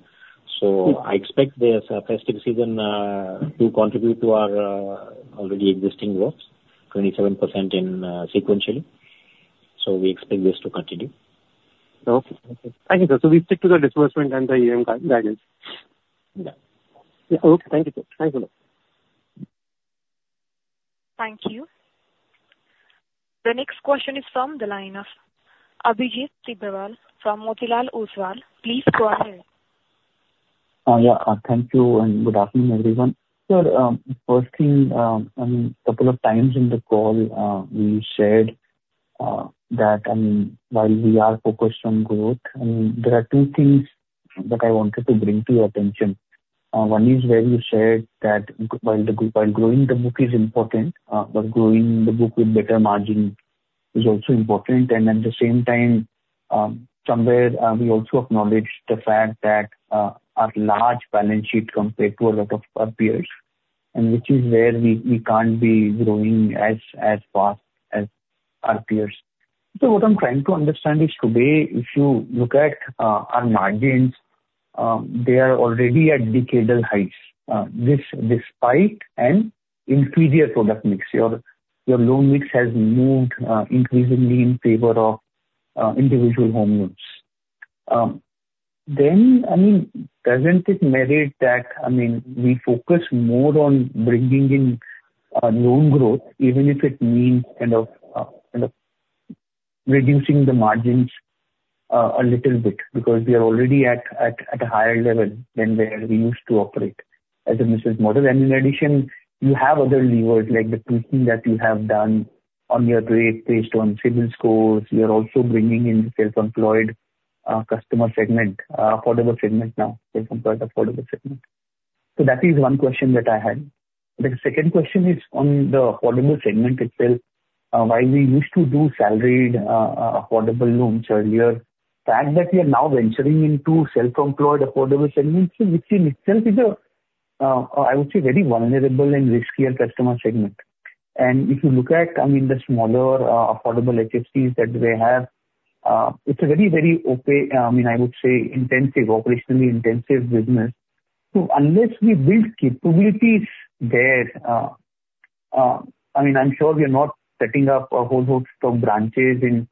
So I expect this festive season to contribute to our already existing growth, 27% in sequentially. So we expect this to continue. Okay. Thank you, sir. So we stick to the disbursement and the guidance? Yeah. Okay. Thank you, sir. Thank you. Thank you. The next question is from the line of Abhijit Tibrewal from Motilal Oswal. Please go ahead. Yeah, thank you, and good afternoon, everyone. Sir, first thing, I mean, couple of times in the call, we shared that, I mean, while we are focused on growth, I mean, there are two things that I wanted to bring to your attention. One is where you said that while growing the book is important, but growing the book with better margin is also important, and at the same time, somewhere we also acknowledge the fact that our large balance sheet compared to a lot of our peers, and which is where we can't be growing as fast as our peers. So what I'm trying to understand is today, if you look at our margins, they are already at decadal heights, this despite an inferior product mix. Your loan mix has moved increasingly in favor of individual home loans. Then, I mean, doesn't it merit that, I mean, we focus more on bringing in loan growth, even if it means kind of reducing the margins a little bit, because we are already at a higher level than where we used to operate as a business model. In addition, you have other levers, like the pricing that you have done on your rate based on CIBIL scores. You are also bringing in the self-employed customer segment, affordable segment now, self-employed affordable segment. So that is one question that I had. The second question is on the affordable segment itself. While we used to do salaried affordable loans earlier, the fact that we are now venturing into self-employed affordable segments, which in itself is a, I would say, very vulnerable and riskier customer segment. And if you look at, I mean, the smaller affordable HFCs that they have, it's a very, very okay... I mean, I would say intensive, operationally intensive business. So unless we build capabilities there, I mean, I'm sure we are not setting up a whole host of branches in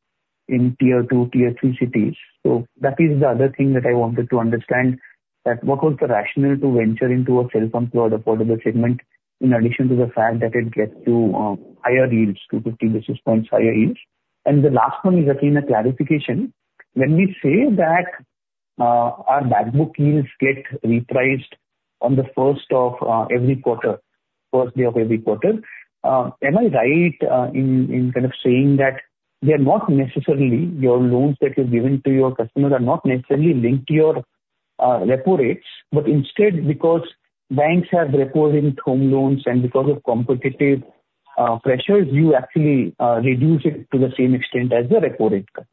tier two, tier three cities. So that is the other thing that I wanted to understand, that what was the rationale to venture into a self-employed affordable segment, in addition to the fact that it gets to higher yields, two fifty basis points higher yields? And the last one is again, a clarification. When we say that, our backbook yields get repriced on the first of, every quarter, first day of every quarter, am I right, in kind of saying that they're not necessarily your loans that you're giving to your customers are not necessarily linked to your, repo rates, but instead, because banks have repo linked home loans and because of competitive, pressures, you actually, reduce it to the same extent as the repo rate cut?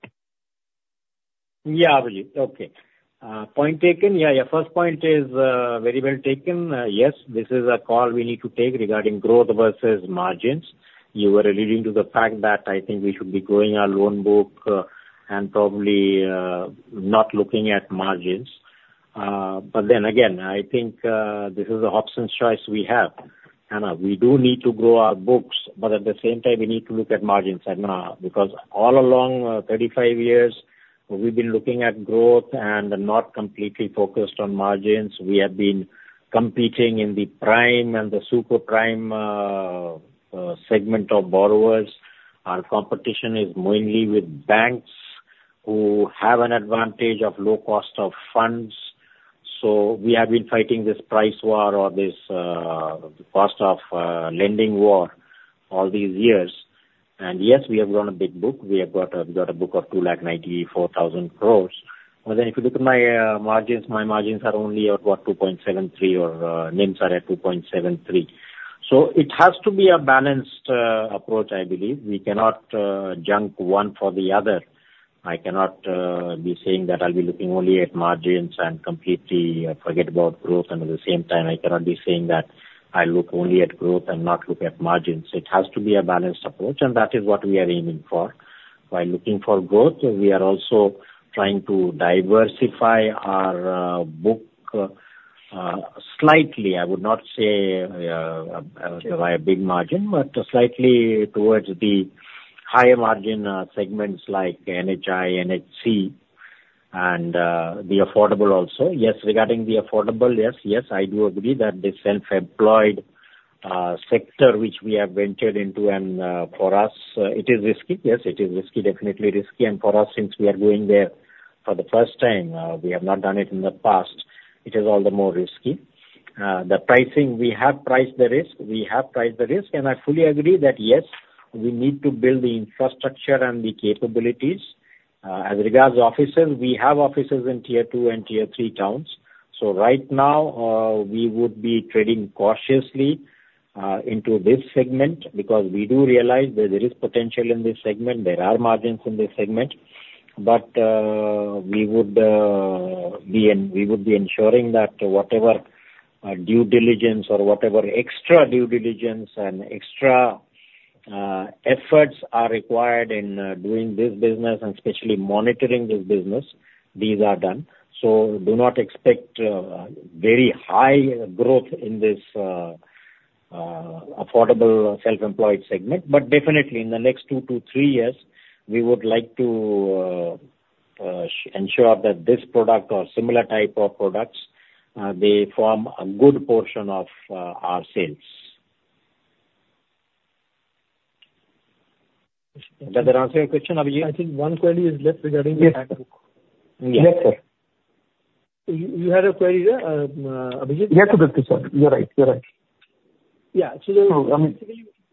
Yeah, Abhijit. Okay. Point taken. Yeah, your first point is very well taken. Yes, this is a call we need to take regarding growth versus margins. You were alluding to the fact that I think we should be growing our loan book and probably not looking at margins. But then again, I think this is a Hobson's choice we have, and we do need to grow our books, but at the same time, we need to look at margins, and because all along thirty-five years we've been looking at growth and not completely focused on margins. We have been competing in the prime and the super prime segment of borrowers. Our competition is mainly with banks who have an advantage of low cost of funds. So we have been fighting this price war or this cost of lending war all these years. And yes, we have grown a big book. We have got a book of two lakh ninety-four thousand crores. But then if you look at my margins, my margins are only about 2.73, or NIMs are at 2.73. It has to be a balanced approach, I believe. We cannot junk one for the other. I cannot be saying that I'll be looking only at margins and completely forget about growth, and at the same time, I cannot be saying that I look only at growth and not look at margins. It has to be a balanced approach, and that is what we are aiming for. While looking for growth, we are also trying to diversify our book slightly. I would not say by a big margin, but slightly towards the higher margin segments like NHI, NHC and the affordable also. Yes, regarding the affordable, yes. Yes, I do agree that the self-employed sector, which we have ventured into and for us it is risky. Yes, it is risky, definitely risky. And for us, since we are going there for the first time, we have not done it in the past, it is all the more risky. The pricing, we have priced the risk. We have priced the risk, and I fully agree that, yes, we need to build the infrastructure and the capabilities. As regards officers, we have officers in Tier two and Tier three towns. So right now, we would be treading cautiously into this segment because we do realize that there is potential in this segment. There are margins in this segment, but we would be ensuring that whatever due diligence or whatever extra due diligence and extra efforts are required in doing this business, and especially monitoring this business, these are done. So do not expect very high growth in this affordable self-employed segment. But definitely in the next two to three years, we would like to ensure that this product or similar type of products they form a good portion of our sales. Does that answer your question, Abhijit? I think one query is left regarding the back book. Yes, sir. You had a query there, Abhijit? Yes, Tribhuwan sir, you're right, you're right. Yeah. So- So, um-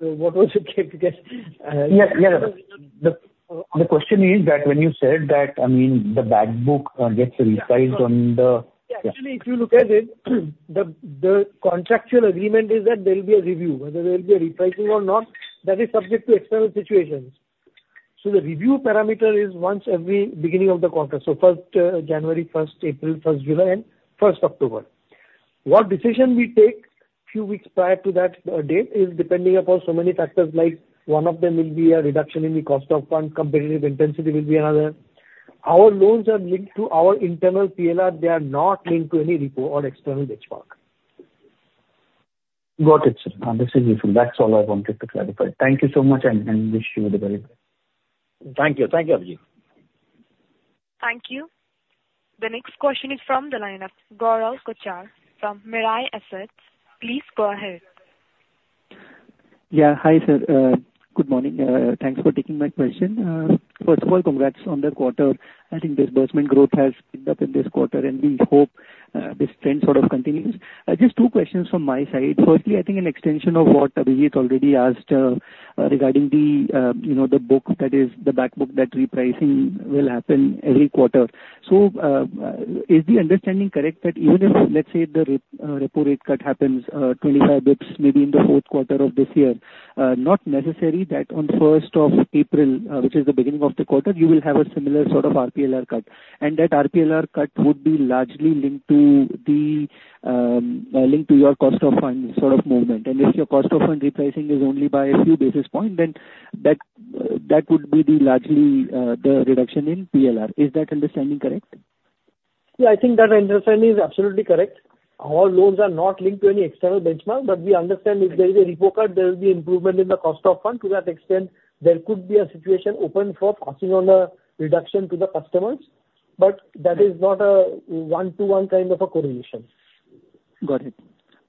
What was it again? Yeah. Yeah. The question is that when you said that, I mean, the back book gets repriced on the- Yeah, actually, if you look at it, the contractual agreement is that there will be a review. Whether there will be a repricing or not, that is subject to external situations. So the review parameter is once every beginning of the quarter, so first January, first April, first July and first October. What decision we take few weeks prior to that date is depending upon so many factors, like one of them will be a reduction in the cost of funds, competitive intensity will be another. Our loans are linked to our internal PLR. They are not linked to any repo or external benchmark. Got it, sir. This is useful. That's all I wanted to clarify. Thank you so much, and wish you the very best. Thank you. Thank you, Abhijit. Thank you. The next question is from the line of Gaurav Kochar from Mirae Asset. Please go ahead. Yeah. Hi, sir. Good morning. Thanks for taking my question. First of all, congrats on the quarter. I think disbursement growth has picked up in this quarter, and we hope this trend sort of continues. Just two questions from my side. Firstly, I think an extension of what Abhijit already asked, regarding the, you know, the book, that is the back book, that repricing will happen every quarter. So, is the understanding correct, that even if, let's say, the repo rate cut happens 25 basis points, maybe in the fourth quarter of this year, not necessary that on first of April, which is the beginning of the quarter, you will have a similar sort of RPLR cut. That RPLR cut would be largely linked to your cost of funds sort of movement. If your cost of fund repricing is only by a few basis point, then that would be largely the reduction in PLR. Is that understanding correct? Yeah, I think that understanding is absolutely correct. Our loans are not linked to any external benchmark, but we understand if there is a repo cut, there will be improvement in the cost of fund. To that extent, there could be a situation open for passing on a reduction to the customers, but that is not a one-to-one kind of a correlation. Got it.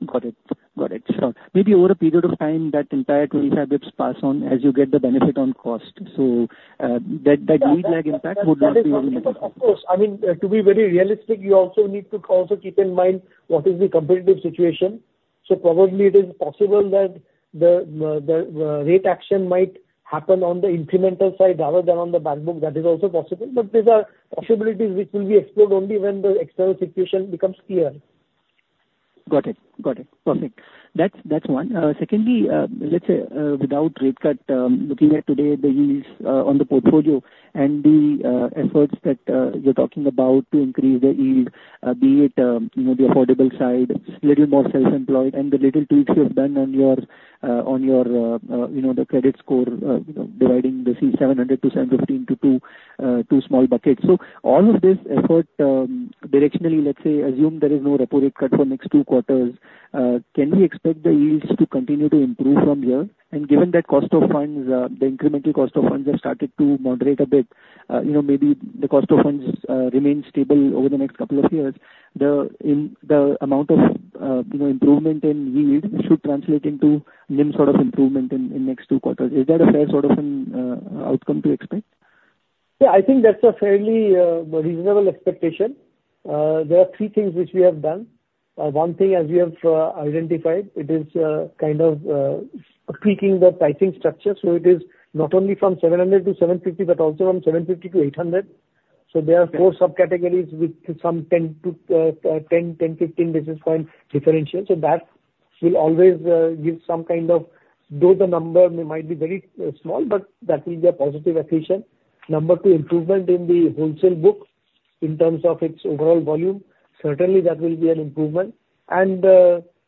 Got it. Got it. So maybe over a period of time, that entire 25 basis points pass on as you get the benefit on cost, so, that lead lag impact would not be- Of course! I mean, to be very realistic, you need to keep in mind what is the competitive situation. So probably it is possible that the rate action might happen on the incremental side rather than on the back book. That is also possible, but these are possibilities which will be explored only when the external situation becomes clear. Got it. Got it. Perfect. That's, that's one. Secondly, let's say without rate cut, looking at today the yields on the portfolio and the efforts that you're talking about to increase the yield, be it you know the affordable side, little more self-employed and the little tweaks you have done on your you know the credit score, you know dividing the C700-C715 into two small buckets. So all of this effort, directionally, let's say assume there is no repo rate cut for next two quarters, can we expect the yields to continue to improve from here? And given that cost of funds, the incremental cost of funds have started to moderate a bit, you know, maybe the cost of funds remain stable over the next couple of years. The amount of, you know, improvement in yield should translate into NIM sort of improvement in next two quarters. Is that a fair sort of outcome to expect?... Yeah, I think that's a fairly reasonable expectation. There are three things which we have done. One thing, as we have identified, it is kind of tweaking the pricing structure, so it is not only from 700-750, but also from 750-800. So there are four subcategories with some 10-15 basis point differential. So that will always give some kind of, though the number might be very small, but that will be a positive accretion. Number two, improvement in the wholesale book in terms of its overall volume. Certainly, that will be an improvement. And,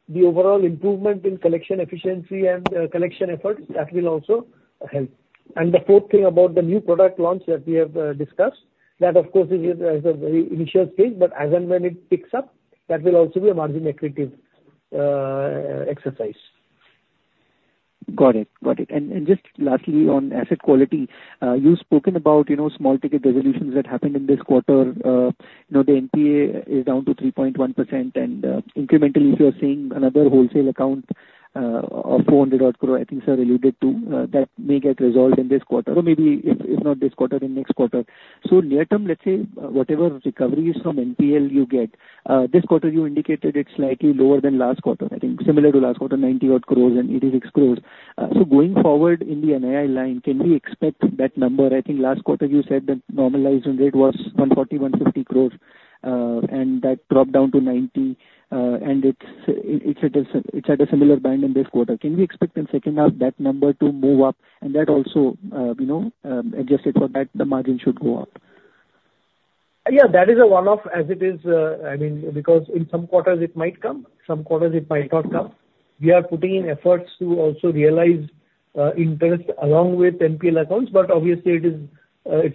the overall improvement in collection efficiency and collection efforts, that will also help. The fourth thing about the new product launch that we have discussed, that of course is in the very initial stage, but as and when it picks up, that will also be a margin accretive exercise. Got it. Got it. And just lastly, on asset quality, you've spoken about, you know, small ticket resolutions that happened in this quarter. You know, the NPA is down to 3.1%, and incrementally, if you are seeing another wholesale account of 400-odd crore, I think sir alluded to, that may get resolved in this quarter or maybe if not this quarter, in next quarter. So near term, let's say, whatever recoveries from NPL you get, this quarter you indicated it's slightly lower than last quarter. I think similar to last quarter, 90-odd crores and 86 crores. So going forward in the NII line, can we expect that number? I think last quarter you said that normalized rate was 140 crores-INR150 crores, and that dropped down to 90 crores, and it's at a similar band in this quarter. Can we expect in second half that number to move up, and that also, you know, adjusted for that, the margin should go up? Yeah, that is a one-off as it is. I mean, because in some quarters it might come, some quarters it might not come. We are putting in efforts to also realize interest along with NPL accounts, but obviously it is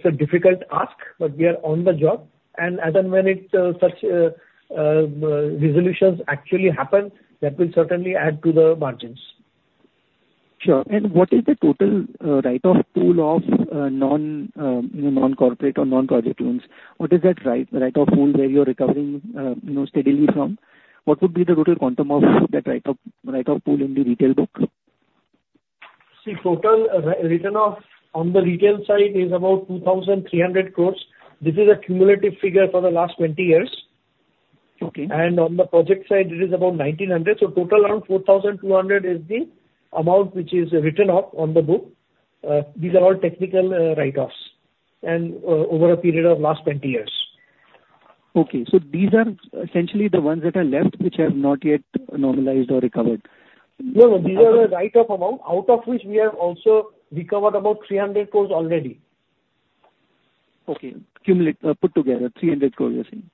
a difficult ask, but we are on the job, and as and when such resolutions actually happen, that will certainly add to the margins. Sure. And what is the total write-off pool of non-corporate or non-project loans? What is that write-off pool where you're recovering, you know, steadily from? What would be the total quantum of that write-off pool in the retail book? The total written off on the retail side is about 2,300 crores. This is a cumulative figure for the last 20 years. Okay. On the project side, it is about 1,900 crores. Total, around 4,200 crores is the amount which is written off on the book. These are all technical write-offs, and over a period of last 20 years. Okay, so these are essentially the ones that are left, which have not yet normalized or recovered? No, no. These are the write-off amount, out of which we have also recovered about 300 crores already. Okay. Cumulatively, put together, 300 crores, you're saying?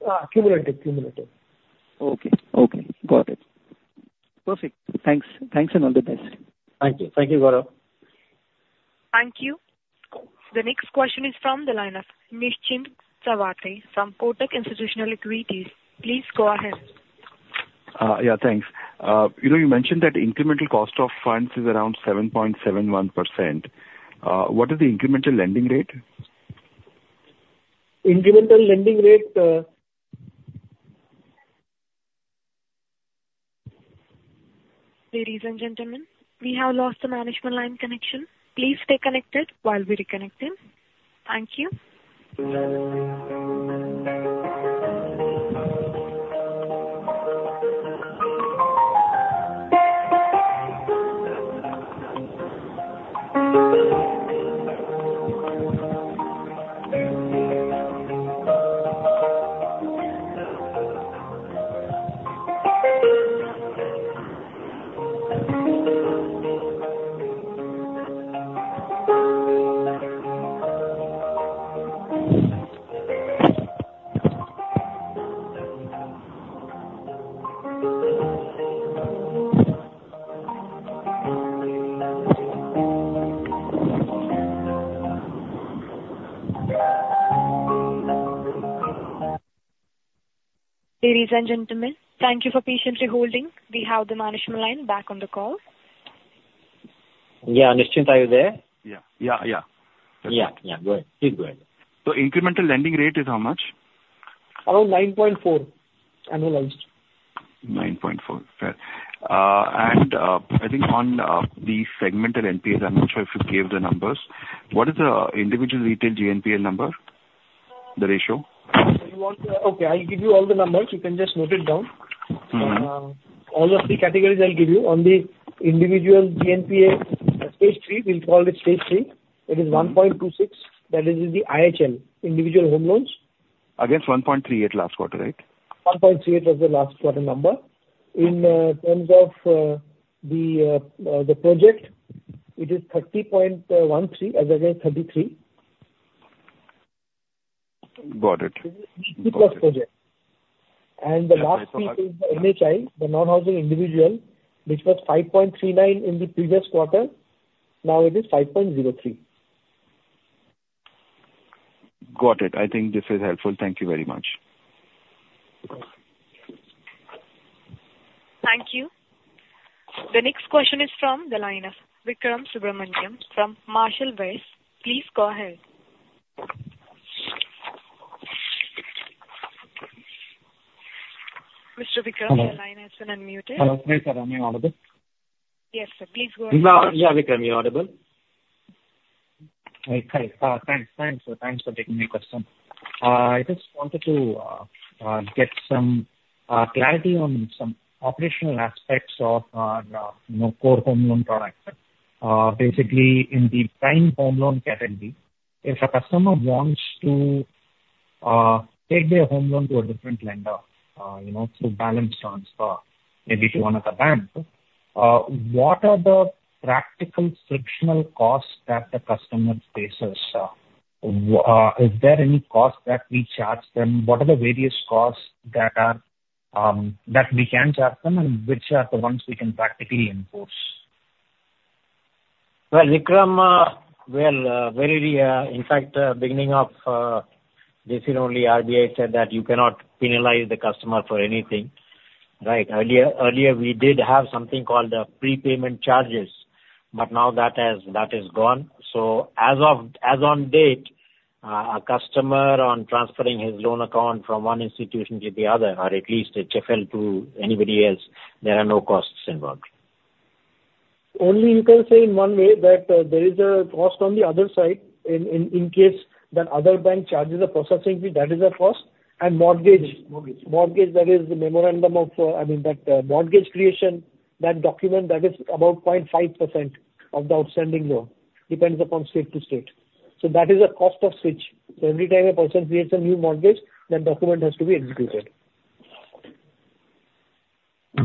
Cumulative. Okay. Okay, got it. Perfect. Thanks. Thanks, and all the best. Thank you. Thank you, Gaurav. Thank you. The next question is from the line of Nischint Chawathe from Kotak Institutional Equities. Please go ahead. Yeah, thanks. You know, you mentioned that incremental cost of funds is around 7.71%. What is the incremental lending rate? Incremental lending rate, Ladies and gentlemen, we have lost the management line connection. Please stay connected while we reconnect him. Thank you. Ladies and gentlemen, thank you for patiently holding. We have the management line back on the call. Yeah, Nischint, are you there? Yeah. Yeah, yeah. Yeah, yeah. Go ahead. Please go ahead. So incremental lending rate is how much? Around 9.4, annualized. Nine point four. Fair. And, I think on the segmental NPAs, I'm not sure if you gave the numbers. What is the individual retail GNPA number, the ratio? You want... Okay, I'll give you all the numbers. You can just note it down. Mm-hmm. All the three categories I'll give you. On the individual GNPA, stage three, we'll call it stage three. It is 1.26. That is in the IHL, individual home loans. Against 1.38 last quarter, right? 1.38 was the last quarter number. In terms of the project, it is 30.13 as against 33. Got it. Plus project. Yeah. And the last piece is the NHI, the non-housing individual, which was 5.39 in the previous quarter, now it is 5.03. Got it. I think this is helpful. Thank you very much. Thank you. The next question is from the line of Vikram Subramanian from Marshall Wace. Please go ahead.... Mr. Vikram, your line has been unmuted. Hello, sir, am I audible? Yes, sir, please go ahead. Yeah, Vikram, you're audible. Hi, thanks for taking my question. I just wanted to get some clarity on some operational aspects of, you know, core home loan products. Basically, in the prime home loan category, if a customer wants to take their home loan to a different lender, you know, through balance transfer, maybe to one of the banks, what are the practical frictional costs that the customer faces? Is there any cost that we charge them? What are the various costs that we can charge them, and which are the ones we can practically enforce? Well, Vikram, in fact, beginning of this year only, RBI said that you cannot penalize the customer for anything, right? Earlier, we did have something called prepayment charges, but now that has gone. So as of date, a customer on transferring his loan account from one institution to the other, or at least HFL to anybody else, there are no costs involved. Only you can say in one way that, there is a cost on the other side in case the other bank charges a processing fee, that is a cost. And mortgage- Yes, mortgage. Mortgage, that is the memorandum of, I mean, that, mortgage creation, that document, that is about 0.5% of the outstanding loan, depends upon state to state. So that is a cost of switch. So every time a person creates a new mortgage, that document has to be executed.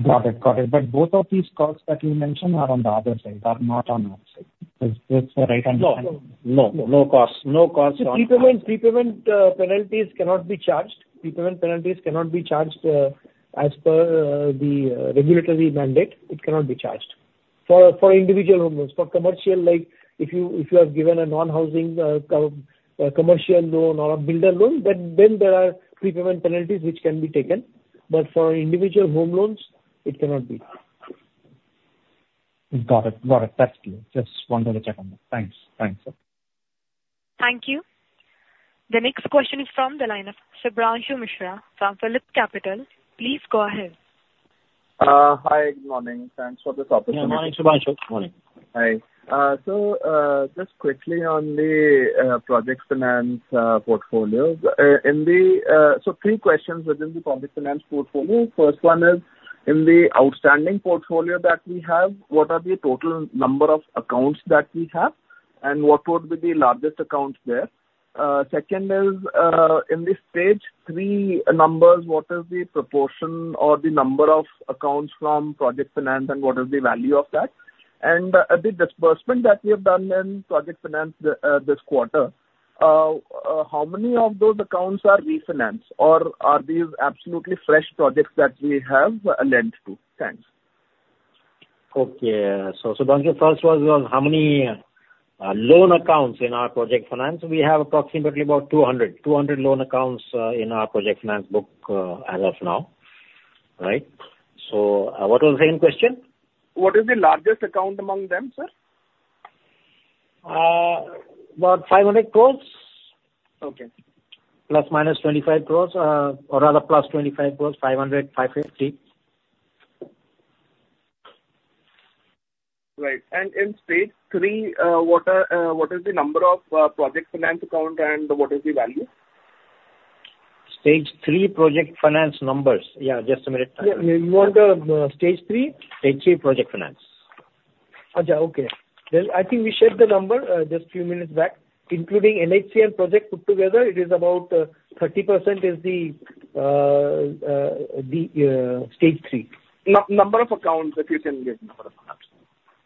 Got it. Got it. But both of these costs that you mentioned are on the other side, are not on our side. Is this the right understanding? No, no, no costs, no costs on our side. Prepayment penalties cannot be charged. Prepayment penalties cannot be charged as per the regulatory mandate. It cannot be charged for individual home loans. For commercial, like, if you have given a non-housing commercial loan or a builder loan, then there are prepayment penalties which can be taken, but for individual home loans, it cannot be. Got it, got it. That's clear. Just wanted to check on that. Thanks. Thanks, sir. Thank you. The next question is from the line of Shubhranshu Mishra from PhillipCapital. Please go ahead. Hi, good morning. Thanks for this opportunity. Yeah, good morning, Shubhranshu. Morning. Hi. So, just quickly on the project finance portfolio. So three questions within the project finance portfolio. First one is, in the outstanding portfolio that we have, what are the total number of accounts that we have, and what would be the largest account there? Second is, in this stage three numbers, what is the proportion or the number of accounts from project finance, and what is the value of that? And, the disbursement that we have done in project finance this quarter, how many of those accounts are refinanced, or are these absolutely fresh projects that we have lent to? Thanks. Okay. So, Shubhranshu, first was on how many loan accounts in our project finance. We have approximately about 200 loan accounts in our project finance book as of now. Right? So, what was the second question? What is the largest account among them, sir? About 500 crores. Okay. ±25 crores, or rather, +25 crores, 500 crores, 550 crores. Right. And in stage three, what is the number of project finance account and what is the value? Stage three project finance numbers? Yeah, just a minute. Yeah, you want the stage three? Stage three project finance. Okay, well, I think we shared the number just a few minutes back. Including NHC and project put together, it is about 30% is the stage three. Number of accounts, if you can give number of accounts.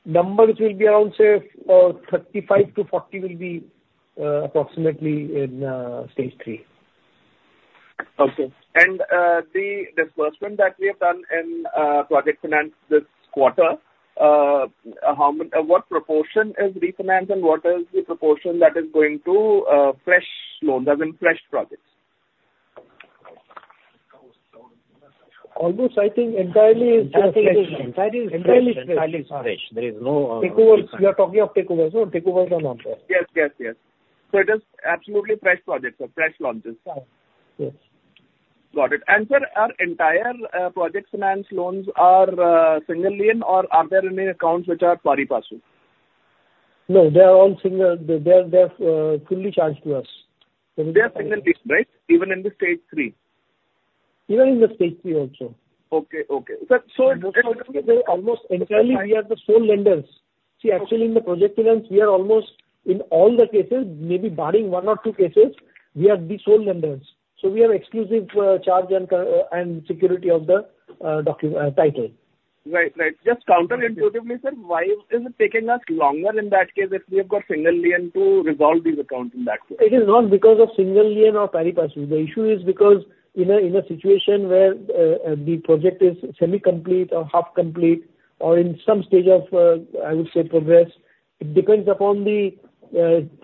Numbers will be around, say, 35-40 will be approximately in stage three. Okay. And, the disbursement that we have done in, project finance this quarter, what proportion is refinance and what is the proportion that is going to, fresh loans, as in fresh projects? Although I think entirely is fresh. Entirely is fresh. Entirely fresh. Entirely fresh. There is no, Takeovers, we are talking of takeovers, no? Takeovers are not there. Yes, yes, yes. So it is absolutely fresh projects or fresh launches? Yes. Got it. And sir, our entire project finance loans are single lien, or are there any accounts which are pari passu? No, they are all single. They are fully charged to us. They are single lien, right? Even in the stage three. Even in the stage three also. Okay, okay. Almost entirely, we are the sole lenders. See, actually, in the project finance, we are almost, in all the cases, maybe barring one or two cases, we are the sole lenders. So we have exclusive charge and security of the documents of title. Right. Right. Just counterintuitively, sir, why is it taking us longer in that case, if we have got single lien to resolve these accounts in that case? It is not because of single lien or pari passu. The issue is because in a situation where the project is semi complete or half complete or in some stage of, I would say, progress. It depends upon the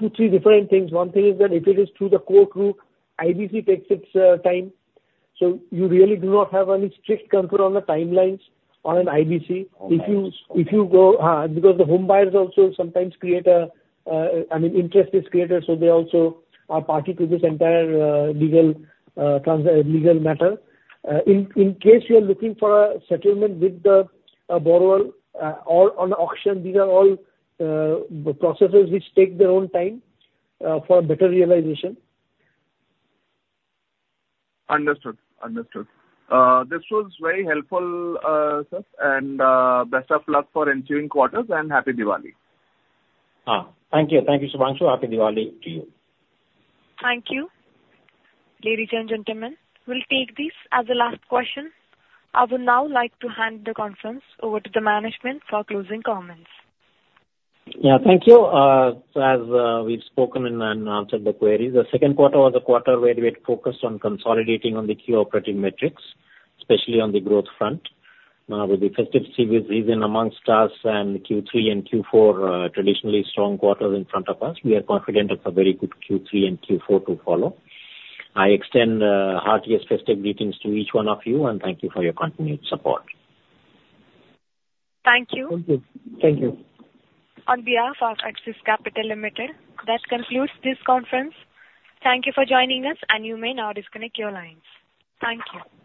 two, three different things. One thing is that if it is through the court route, IBC takes its time, so you really do not have any strict control on the timelines on an IBC. Okay. If you go, because the homebuyers also sometimes create a, I mean, interest is created, so they also are party to this entire legal matter. In case you are looking for a settlement with the borrower or on auction, these are all processes which take their own time for better realization. Understood. Understood. This was very helpful, sir, and best of luck for ensuing quarters and Happy Diwali! Ah, thank you. Thank you, Subhranshu. Happy Diwali to you. Thank you. Ladies and gentlemen, we'll take this as the last question. I would now like to hand the conference over to the management for closing comments. Yeah, thank you. So as we've spoken and answered the queries, the second quarter was a quarter where we had focused on consolidating on the key operating metrics, especially on the growth front. Now, with the festive season amongst us and Q3 and Q4 traditionally strong quarters in front of us, we are confident of a very good Q3 and Q4 to follow. I extend heartiest festive greetings to each one of you, and thank you for your continued support. Thank you. Thank you. Thank you. On behalf of Axis Capital Ltd, that concludes this conference. Thank you for joining us, and you may now disconnect your lines. Thank you.